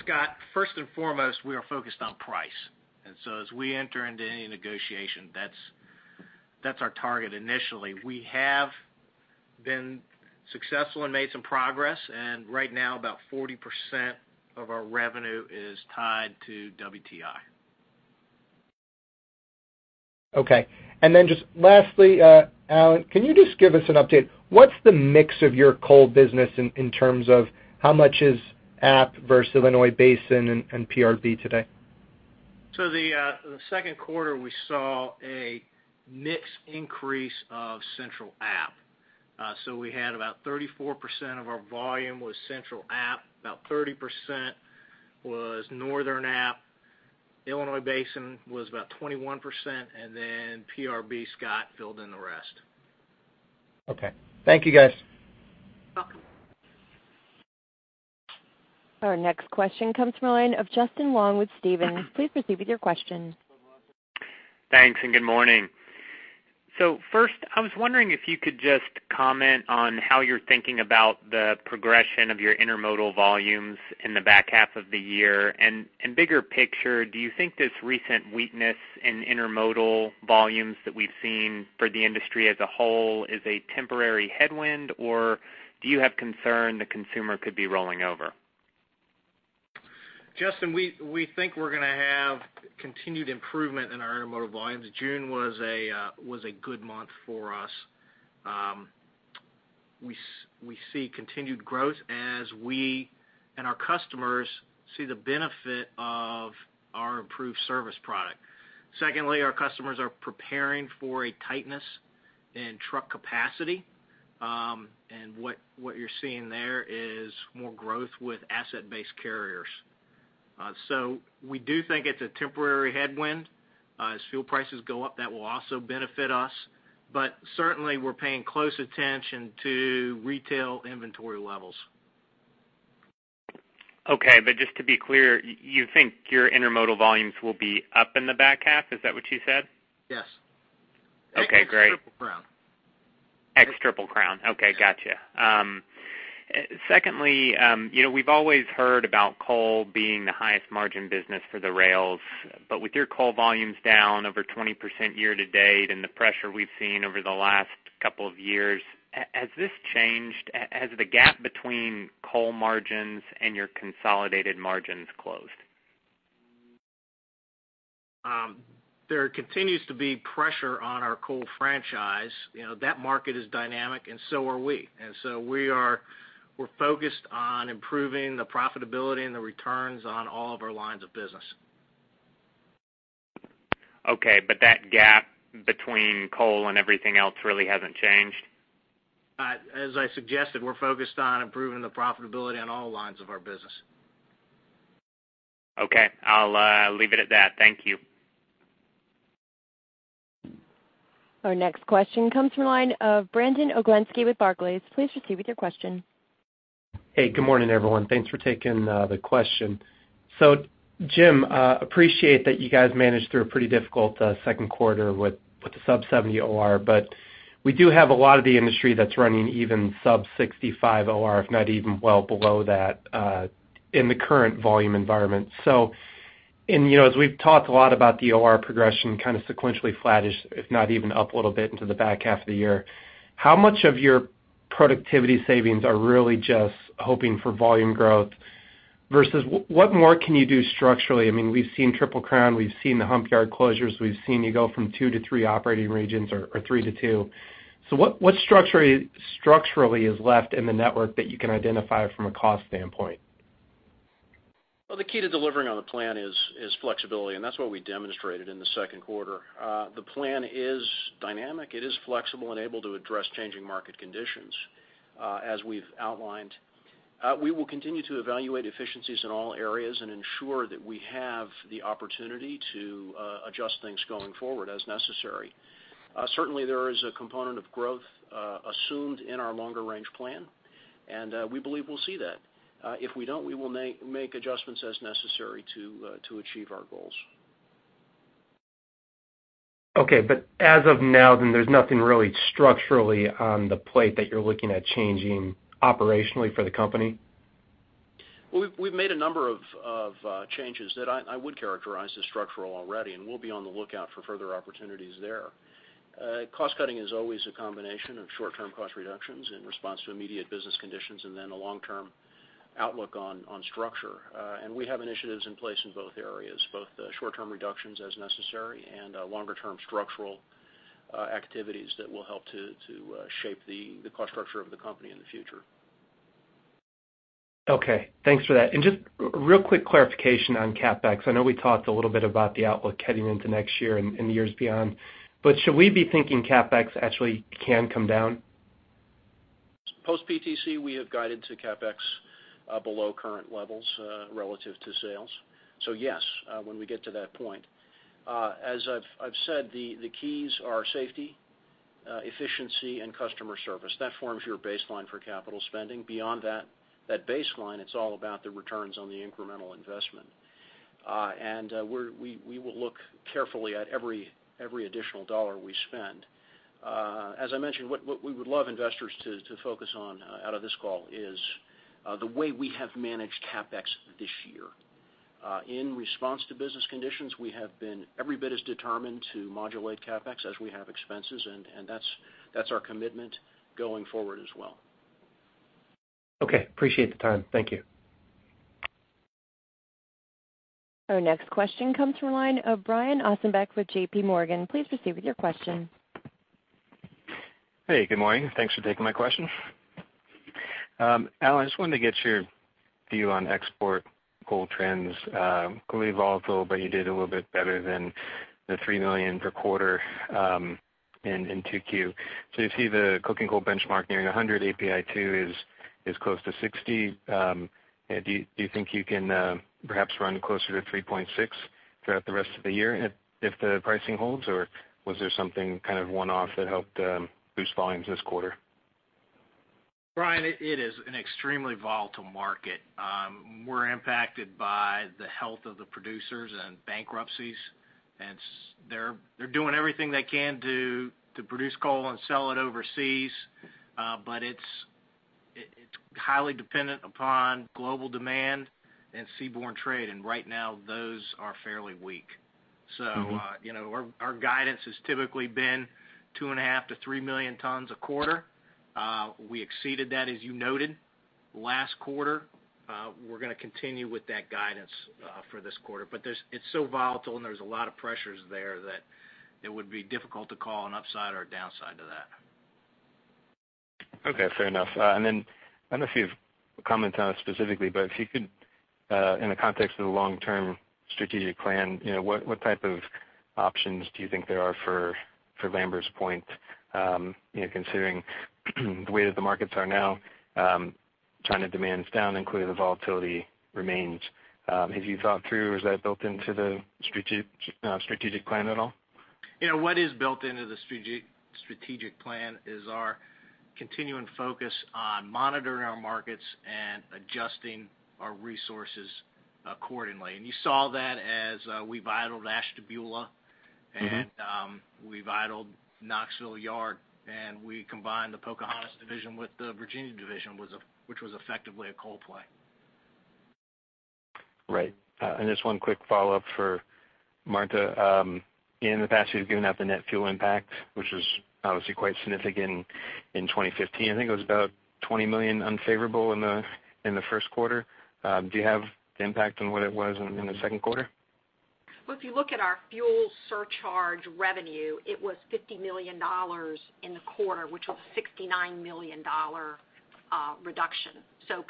Scott, first and foremost, we are focused on price. So as we enter into any negotiation, that's our target initially. We have been successful and made some progress. Right now, about 40% of our revenue is tied to WTI.
Okay. Then just lastly, Alan, can you just give us an update, what's the mix of your coal business in terms of how much is App versus Illinois Basin and PRB today?
The second quarter, we saw a mix increase of Central App. We had about 34% of our volume was Central App, about 30% was Northern App, Illinois Basin was about 21%. Then PRB, Scott, filled in the rest.
Okay. Thank you, guys.
Welcome.
Our next question comes from the line of Justin Long with Stephens. Please proceed with your question.
Thanks, good morning. First, I was wondering if you could just comment on how you're thinking about the progression of your intermodal volumes in the back half of the year, and bigger picture, do you think this recent weakness in intermodal volumes that we've seen for the industry as a whole is a temporary headwind, or do you have concern the consumer could be rolling over?
Justin, we think we're going to have continued improvement in our intermodal volumes. June was a good month for us. We see continued growth as we and our customers see the benefit of our improved service product. Secondly, our customers are preparing for a tightness in truck capacity. What you're seeing there is more growth with asset-based carriers. We do think it's a temporary headwind. As fuel prices go up, that will also benefit us. Certainly, we're paying close attention to retail inventory levels.
Okay, just to be clear, you think your intermodal volumes will be up in the back half? Is that what you said?
Yes.
Okay, great.
Ex Triple Crown.
Ex Triple Crown. Okay, got you. Secondly, we've always heard about coal being the highest margin business for the rails. With your coal volumes down over 20% year to date and the pressure we've seen over the last couple of years, has this changed? Has the gap between coal margins and your consolidated margins closed?
There continues to be pressure on our coal franchise. That market is dynamic, and so are we. We're focused on improving the profitability and the returns on all of our lines of business.
Okay, that gap between coal and everything else really hasn't changed?
As I suggested, we're focused on improving the profitability on all lines of our business.
Okay. I'll leave it at that. Thank you.
Our next question comes from the line of Brandon Oglenski with Barclays. Please proceed with your question.
Hey, good morning, everyone. Thanks for taking the question. Jim, appreciate that you guys managed through a pretty difficult second quarter with the sub 70 OR, we do have a lot of the industry that's running even sub 65 OR, if not even well below that, in the current volume environment. As we've talked a lot about the OR progression kind of sequentially flattish, if not even up a little bit into the back half of the year, how much of your productivity savings are really just hoping for volume growth versus what more can you do structurally? We've seen Triple Crown, we've seen the hump yard closures, we've seen you go from two to three operating regions or three to two. What structurally is left in the network that you can identify from a cost standpoint?
The key to delivering on the plan is flexibility. That's what we demonstrated in the second quarter. The plan is dynamic. It is flexible and able to address changing market conditions as we've outlined. We will continue to evaluate efficiencies in all areas and ensure that we have the opportunity to adjust things going forward as necessary. Certainly, there is a component of growth assumed in our longer range plan, and we believe we'll see that. If we don't, we will make adjustments as necessary to achieve our goals.
As of now, there's nothing really structurally on the plate that you're looking at changing operationally for the company?
We've made a number of changes that I would characterize as structural already, and we'll be on the lookout for further opportunities there. Cost cutting is always a combination of short-term cost reductions in response to immediate business conditions and then a long-term outlook on structure. We have initiatives in place in both areas, both short-term reductions as necessary and longer-term structural activities that will help to shape the cost structure of the company in the future.
Okay. Thanks for that. Just real quick clarification on CapEx. I know we talked a little bit about the outlook heading into next year and the years beyond, should we be thinking CapEx actually can come down?
Post PTC, we have guided to CapEx below current levels relative to sales. Yes, when we get to that point. As I've said, the keys are safety, efficiency and customer service. That forms your baseline for capital spending. Beyond that baseline, it's all about the returns on the incremental investment. We will look carefully at every additional dollar we spend. As I mentioned, what we would love investors to focus on out of this call is the way we have managed CapEx this year. In response to business conditions, we have been every bit as determined to modulate CapEx as we have expenses, that's our commitment going forward as well.
Okay. Appreciate the time. Thank you.
Our next question comes from the line of Brian Ossenbeck with J.P. Morgan. Please proceed with your question.
Hey, good morning. Thanks for taking my question. Alan, I just wanted to get your view on export coal trends. Clearly volatile, but you did a little bit better than the 3 million per quarter in 2Q. You see the coking coal benchmark nearing 100, API2 is close to 60. Do you think you can perhaps run closer to 3.6 throughout the rest of the year if the pricing holds? Was there something kind of one-off that helped boost volumes this quarter?
Brian, it is an extremely volatile market. We're impacted by the health of the producers and bankruptcies. They're doing everything they can do to produce coal and sell it overseas. It's highly dependent upon global demand and seaborne trade, and right now those are fairly weak. Our guidance has typically been 2.5 million-3 million tons a quarter. We exceeded that, as you noted, last quarter. We're going to continue with that guidance for this quarter. It's so volatile, and there's a lot of pressures there that it would be difficult to call an upside or a downside to that.
Okay. Fair enough. I don't know if you have comments on it specifically, but if you could, in the context of the long-term strategic plan, what type of options do you think there are for Lambert's Point? Considering the way that the markets are now, China demand is down, including the volatility remains. Have you thought through, is that built into the strategic plan at all?
What is built into the strategic plan is our continuing focus on monitoring our markets and adjusting our resources accordingly. You saw that as we idled Ashtabula. We idled Knoxville Yard, we combined the Pocahontas division with the Virginia division, which was effectively a coal play.
Right. Just one quick follow-up for Marta. In the past, you've given out the net fuel impact, which was obviously quite significant in 2015. I think it was about $20 million unfavorable in the first quarter. Do you have the impact on what it was in the second quarter?
Well, if you look at our fuel surcharge revenue, it was $50 million in the quarter, which was a $69 million reduction.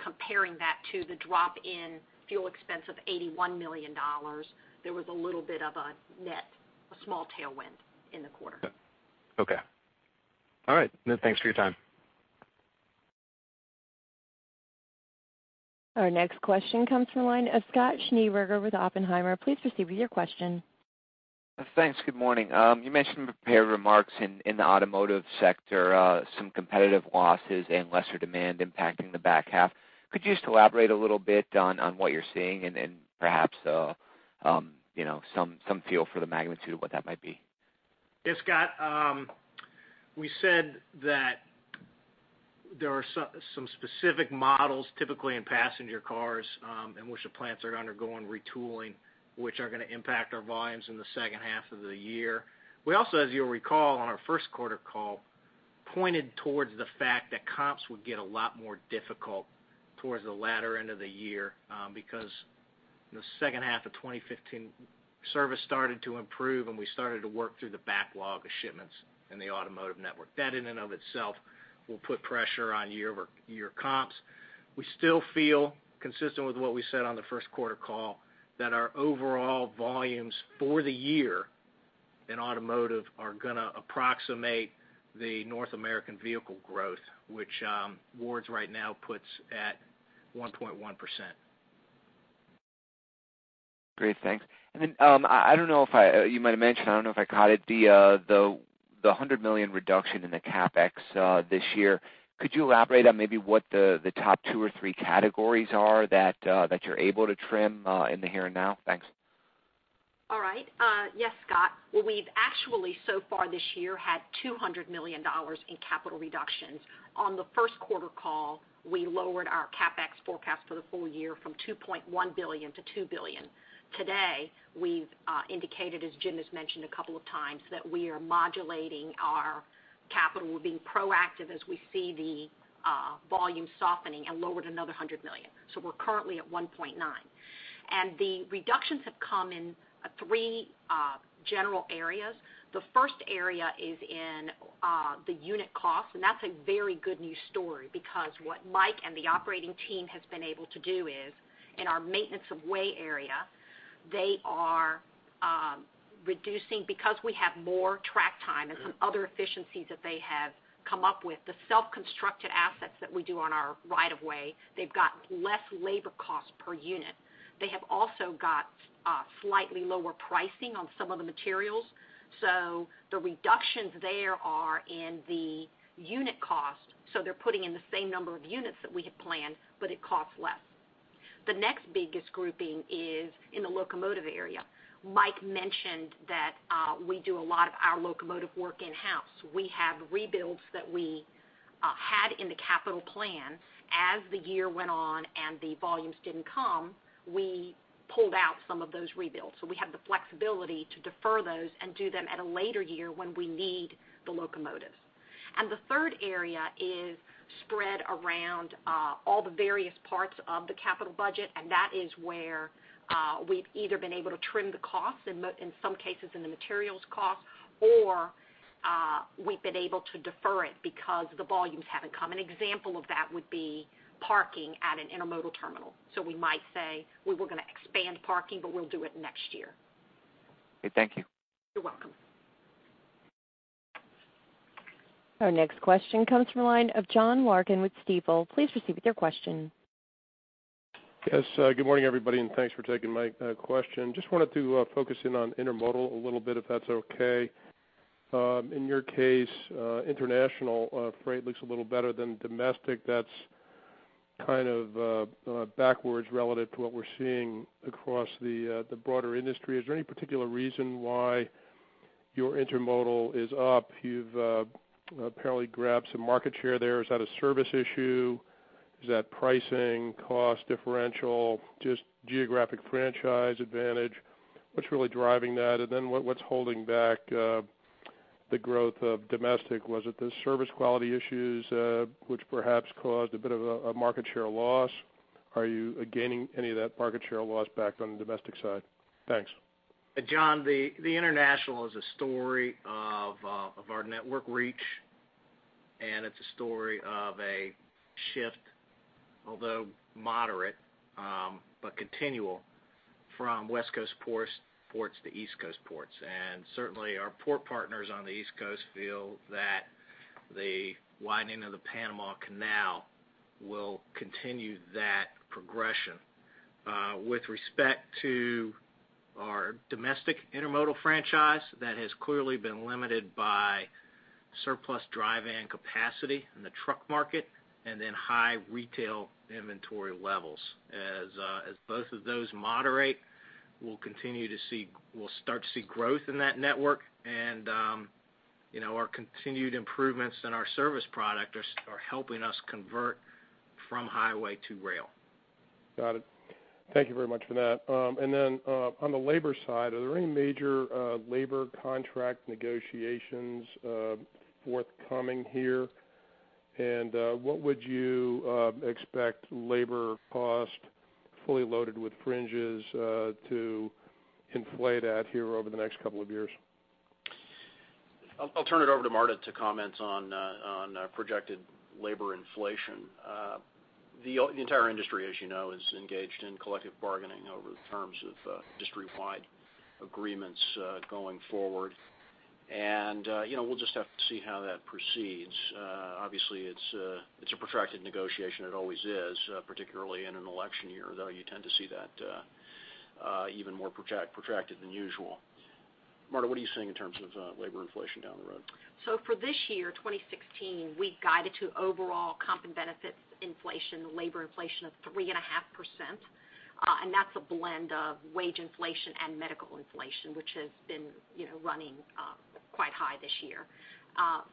Comparing that to the drop in fuel expense of $81 million, there was a little bit of a net, a small tailwind in the quarter.
Okay. All right. No, thanks for your time.
Our next question comes from the line of Scott Schneeberger with Oppenheimer. Please proceed with your question.
Thanks. Good morning. You mentioned a pair of remarks in the automotive sector, some competitive losses and lesser demand impacting the back half. Could you just elaborate a little bit on what you're seeing and perhaps some feel for the magnitude of what that might be?
Yeah, Scott. We said that there are some specific models, typically in passenger cars, in which the plants are undergoing retooling, which are going to impact our volumes in the second half of the year. We also, as you'll recall on our first quarter call, pointed towards the fact that comps would get a lot more difficult towards the latter end of the year because the second half of 2015, service started to improve, and we started to work through the backlog of shipments in the automotive network. That in and of itself will put pressure on year-over-year comps. We still feel consistent with what we said on the first quarter call, that our overall volumes for the year in automotive are going to approximate the North American vehicle growth, which Ward's right now puts at 1.1%.
Great. Thanks. I don't know if you might have mentioned, I don't know if I caught it. The $100 million reduction in the CapEx this year. Could you elaborate on maybe what the top two or three categories are that you're able to trim in the here and now? Thanks.
All right. Yes, Scott. Well, we've actually so far this year had $200 million in capital reductions. On the first quarter call, we lowered our CapEx forecast for the full year from $2.1 billion to $2 billion. Today, we've indicated, as Jim has mentioned a couple of times, that we are modulating our capital. We're being proactive as we see the volume softening and lowered another $100 million. We're currently at $1.9 The reductions have come in three general areas. The first area is in the unit cost, and that's a very good news story because what Mike and the operating team has been able to do is, in our maintenance of way area, they are reducing because we have more track time and some other efficiencies that they have come up with. The self-constructed assets that we do on our right of way, they've got less labor cost per unit. They have also got slightly lower pricing on some of the materials. The reductions there are in the unit cost. They're putting in the same number of units that we had planned, but it costs less. The next biggest grouping is in the locomotive area. Mike mentioned that we do a lot of our locomotive work in-house. We have rebuilds that we had in the capital plan. As the year went on and the volumes didn't come, we pulled out some of those rebuilds. We have the flexibility to defer those and do them at a later year when we need the locomotives. The third area is spread around all the various parts of the capital budget, and that is where we've either been able to trim the costs, in some cases in the materials cost, or we've been able to defer it because the volumes haven't come. An example of that would be parking at an intermodal terminal. We might say we were going to expand parking, but we'll do it next year.
Okay, thank you.
You're welcome.
Our next question comes from the line of John Larkin with Stifel. Please proceed with your question.
Yes, good morning, everybody, and thanks for taking my question. Just wanted to focus in on intermodal a little bit, if that's okay. In your case, international freight looks a little better than domestic. That's kind of backwards relative to what we're seeing across the broader industry. Is there any particular reason why your intermodal is up? You've apparently grabbed some market share there. Is that a service issue? Is that pricing cost differential, just geographic franchise advantage? What's really driving that? What's holding back the growth of domestic? Was it the service quality issues which perhaps caused a bit of a market share loss? Are you gaining any of that market share loss back on the domestic side? Thanks.
John, the international is a story of our network reach, and it's a story of a shift, although moderate, but continual from West Coast ports to East Coast ports. Certainly, our port partners on the East Coast feel that the widening of the Panama Canal will continue that progression. With respect to our domestic intermodal franchise, that has clearly been limited by surplus dry-van capacity in the truck market and then high retail inventory levels. As both of those moderate, we'll start to see growth in that network and our continued improvements in our service product are helping us convert from highway to rail.
Got it. Thank you very much for that. Then, on the labor side, are there any major labor contract negotiations forthcoming here? What would you expect labor cost fully loaded with fringes to inflate at here over the next couple of years?
I'll turn it over to Marta to comment on projected labor inflation. The entire industry, as you know, is engaged in collective bargaining over the terms of industry-wide agreements going forward. We'll just have to see how that proceeds. Obviously, it's a protracted negotiation. It always is, particularly in an election year, though you tend to see that even more protracted than usual. Marta, what are you seeing in terms of labor inflation down the road?
For this year, 2016, we guided to overall comp and benefits inflation, labor inflation of 3.5%, that's a blend of wage inflation and medical inflation, which has been running quite high this year.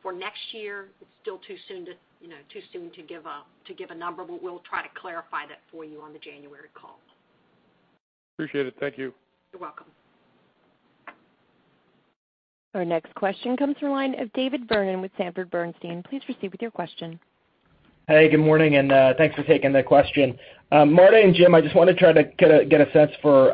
For next year, it's still too soon to give a number, but we'll try to clarify that for you on the January call.
Appreciate it. Thank you.
You're welcome.
Our next question comes from the line of David Vernon with Sanford C. Bernstein. Please proceed with your question.
Hey, good morning, and thanks for taking the question. Marta and Jim, I just want to try to get a sense for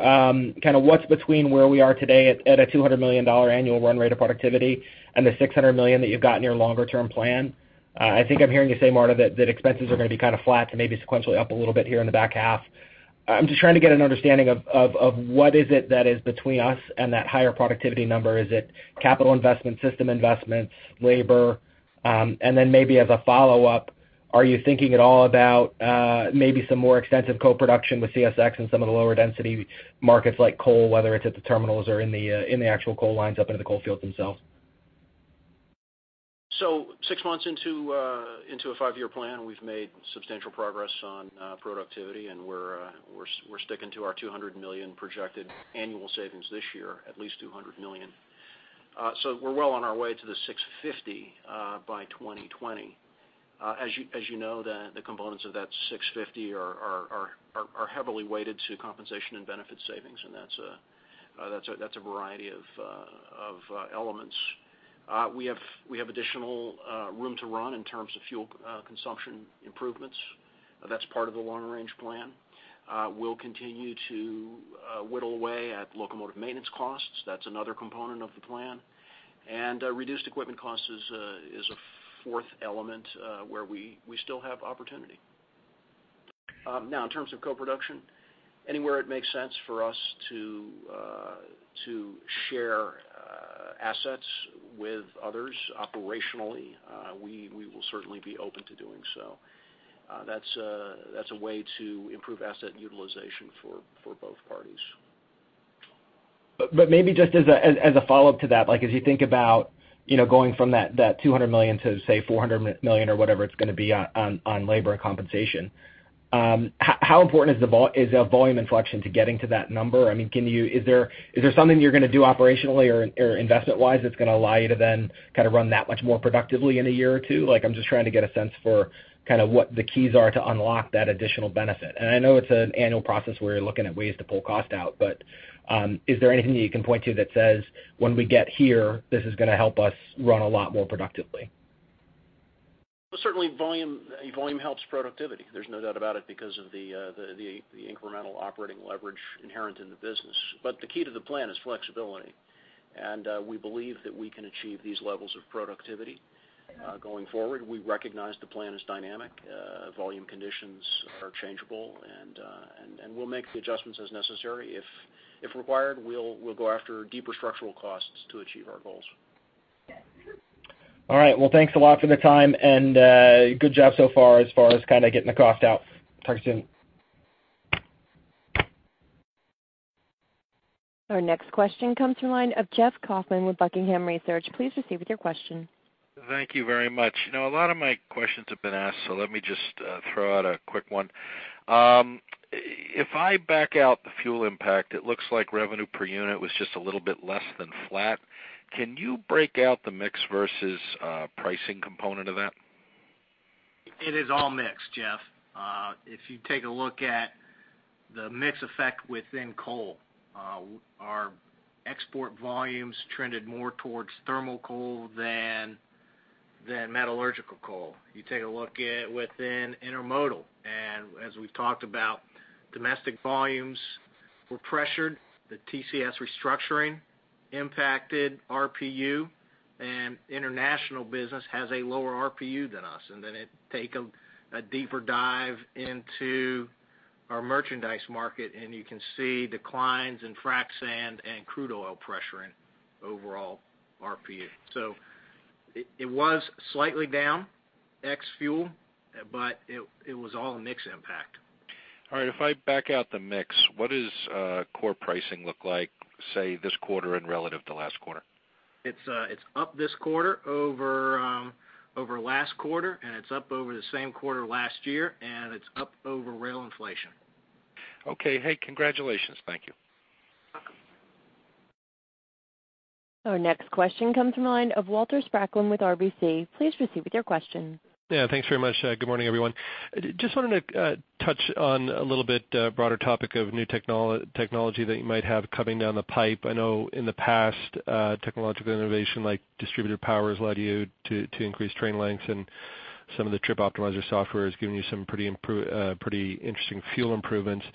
what's between where we are today at a $200 million annual run rate of productivity and the $600 million that you've got in your longer-term plan. I think I'm hearing you say, Marta, that expenses are going to be kind of flat to maybe sequentially up a little bit here in the back half. I'm just trying to get an understanding of what is it that is between us and that higher productivity number. Is it capital investment, system investments, labor? And then maybe as a follow-up, are you thinking at all about maybe some more extensive co-production with CSX in some of the lower density markets like coal, whether it's at the terminals or in the actual coal lines up into the coal fields themselves?
Six months into a five-year plan, we've made substantial progress on productivity, and we're sticking to our $200 million projected annual savings this year, at least $200 million. We're well on our way to the $650 by 2020. As you know, the components of that $650 are heavily weighted to compensation and benefit savings, and that's a variety of elements We have additional room to run in terms of fuel consumption improvements. That's part of the long-range plan. We'll continue to whittle away at locomotive maintenance costs. That's another component of the plan. Reduced equipment costs is a fourth element where we still have opportunity. Now, in terms of co-production, anywhere it makes sense for us to share assets with others operationally, we will certainly be open to doing so. That's a way to improve asset utilization for both parties.
Maybe just as a follow-up to that, as you think about going from that $200 million to, say, $400 million or whatever it's going to be on labor and compensation, how important is the volume inflection to getting to that number? Is there something you're going to do operationally or investment-wise that's going to allow you to then run that much more productively in a year or two? I'm just trying to get a sense for what the keys are to unlock that additional benefit. I know it's an annual process where you're looking at ways to pull cost out, but is there anything that you can point to that says, when we get here, this is going to help us run a lot more productively?
Well, certainly volume helps productivity. There's no doubt about it because of the incremental operating leverage inherent in the business. The key to the plan is flexibility, we believe that we can achieve these levels of productivity going forward. We recognize the plan is dynamic. Volume conditions are changeable, we'll make the adjustments as necessary. If required, we'll go after deeper structural costs to achieve our goals.
All right. Well, thanks a lot for the time, and good job so far as far as getting the cost out. Talk to you soon.
Our next question comes from the line of Jeff Kauffman with Buckingham Research. Please proceed with your question.
Thank you very much. A lot of my questions have been asked, so let me just throw out a quick one. If I back out the fuel impact, it looks like revenue per unit was just a little bit less than flat. Can you break out the mix versus pricing component of that?
It is all mix, Jeff. If you take a look at the mix effect within coal, our export volumes trended more towards thermal coal than metallurgical coal. You take a look at within Intermodal, and as we've talked about, domestic volumes were pressured. The TCS restructuring impacted RPU, and international business has a lower RPU than us. Then take a deeper dive into our merchandise market and you can see declines in frac sand and crude oil pressuring overall RPU. It was slightly down ex fuel, but it was all a mix impact.
All right. If I back out the mix, what does core pricing look like, say, this quarter and relative to last quarter?
It's up this quarter over last quarter, and it's up over the same quarter last year, and it's up over rail inflation.
Okay. Hey, congratulations. Thank you.
You're welcome.
Our next question comes from the line of Walter Spracklin with RBC. Please proceed with your question.
Yeah. Thanks very much. Good morning, everyone. Just wanted to touch on a little bit broader topic of new technology that you might have coming down the pipe. I know in the past, technological innovation like distributed power has allowed you to increase train lengths, and some of the Trip Optimizer software has given you some pretty interesting fuel improvements.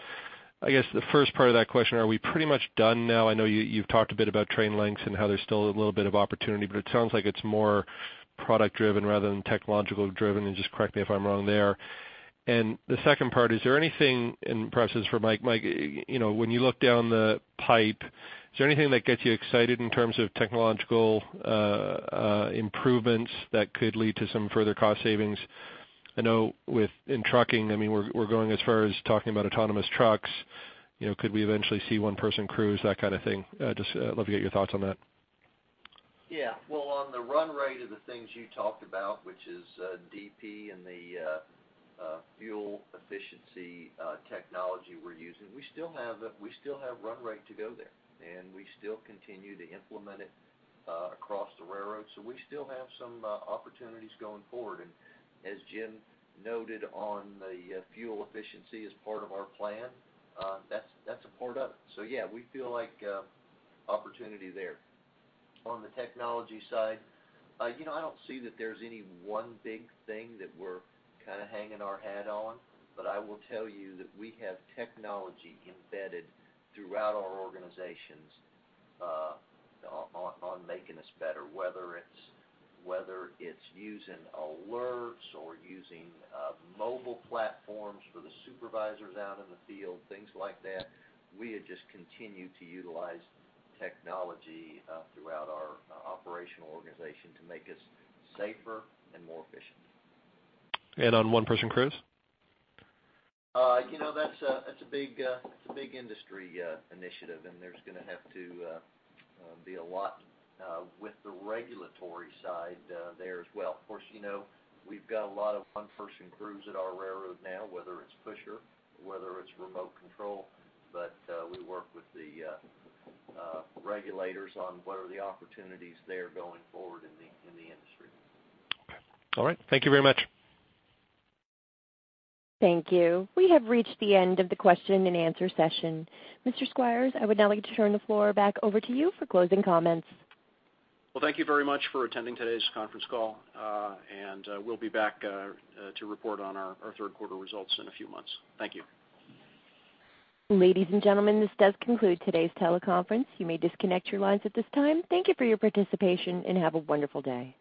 I guess the first part of that question, are we pretty much done now? I know you've talked a bit about train lengths and how there's still a little bit of opportunity, but it sounds like it's more product driven rather than technologically driven, and just correct me if I'm wrong there. The second part, is there anything, and this is for Mike, when you look down the pipe, is there anything that gets you excited in terms of technological improvements that could lead to some further cost savings? I know in trucking, we're going as far as talking about autonomous trucks. Could we eventually see one-person crews, that kind of thing? Just love to get your thoughts on that.
Yeah. Well, on the run rate of the things you talked about, which is DP and the fuel efficiency technology we're using, we still have run rate to go there, and we still continue to implement it across the railroad. We still have some opportunities going forward. As Jim noted on the fuel efficiency as part of our plan, that's a part of it. Yeah, we feel like opportunity there. On the technology side, I don't see that there's any one big thing that we're kind of hanging our hat on, but I will tell you that we have technology embedded throughout our organizations on making us better, whether it's using alerts or using mobile platforms for the supervisors out in the field, things like that. We have just continued to utilize technology throughout our operational organization to make us safer and more efficient.
On one-person crews?
That's a big industry initiative, and there's going to have to be a lot with the regulatory side there as well. Of course, we've got a lot of one-person crews at our railroad now, whether it's pusher, whether it's remote control, but we work with the regulators on what are the opportunities there going forward in the industry.
Okay. All right. Thank you very much.
Thank you. We have reached the end of the question and answer session. Mr. Squires, I would now like to turn the floor back over to you for closing comments.
Well, thank you very much for attending today's conference call. We'll be back to report on our third quarter results in a few months. Thank you.
Ladies and gentlemen, this does conclude today's teleconference. You may disconnect your lines at this time. Thank you for your participation, and have a wonderful day.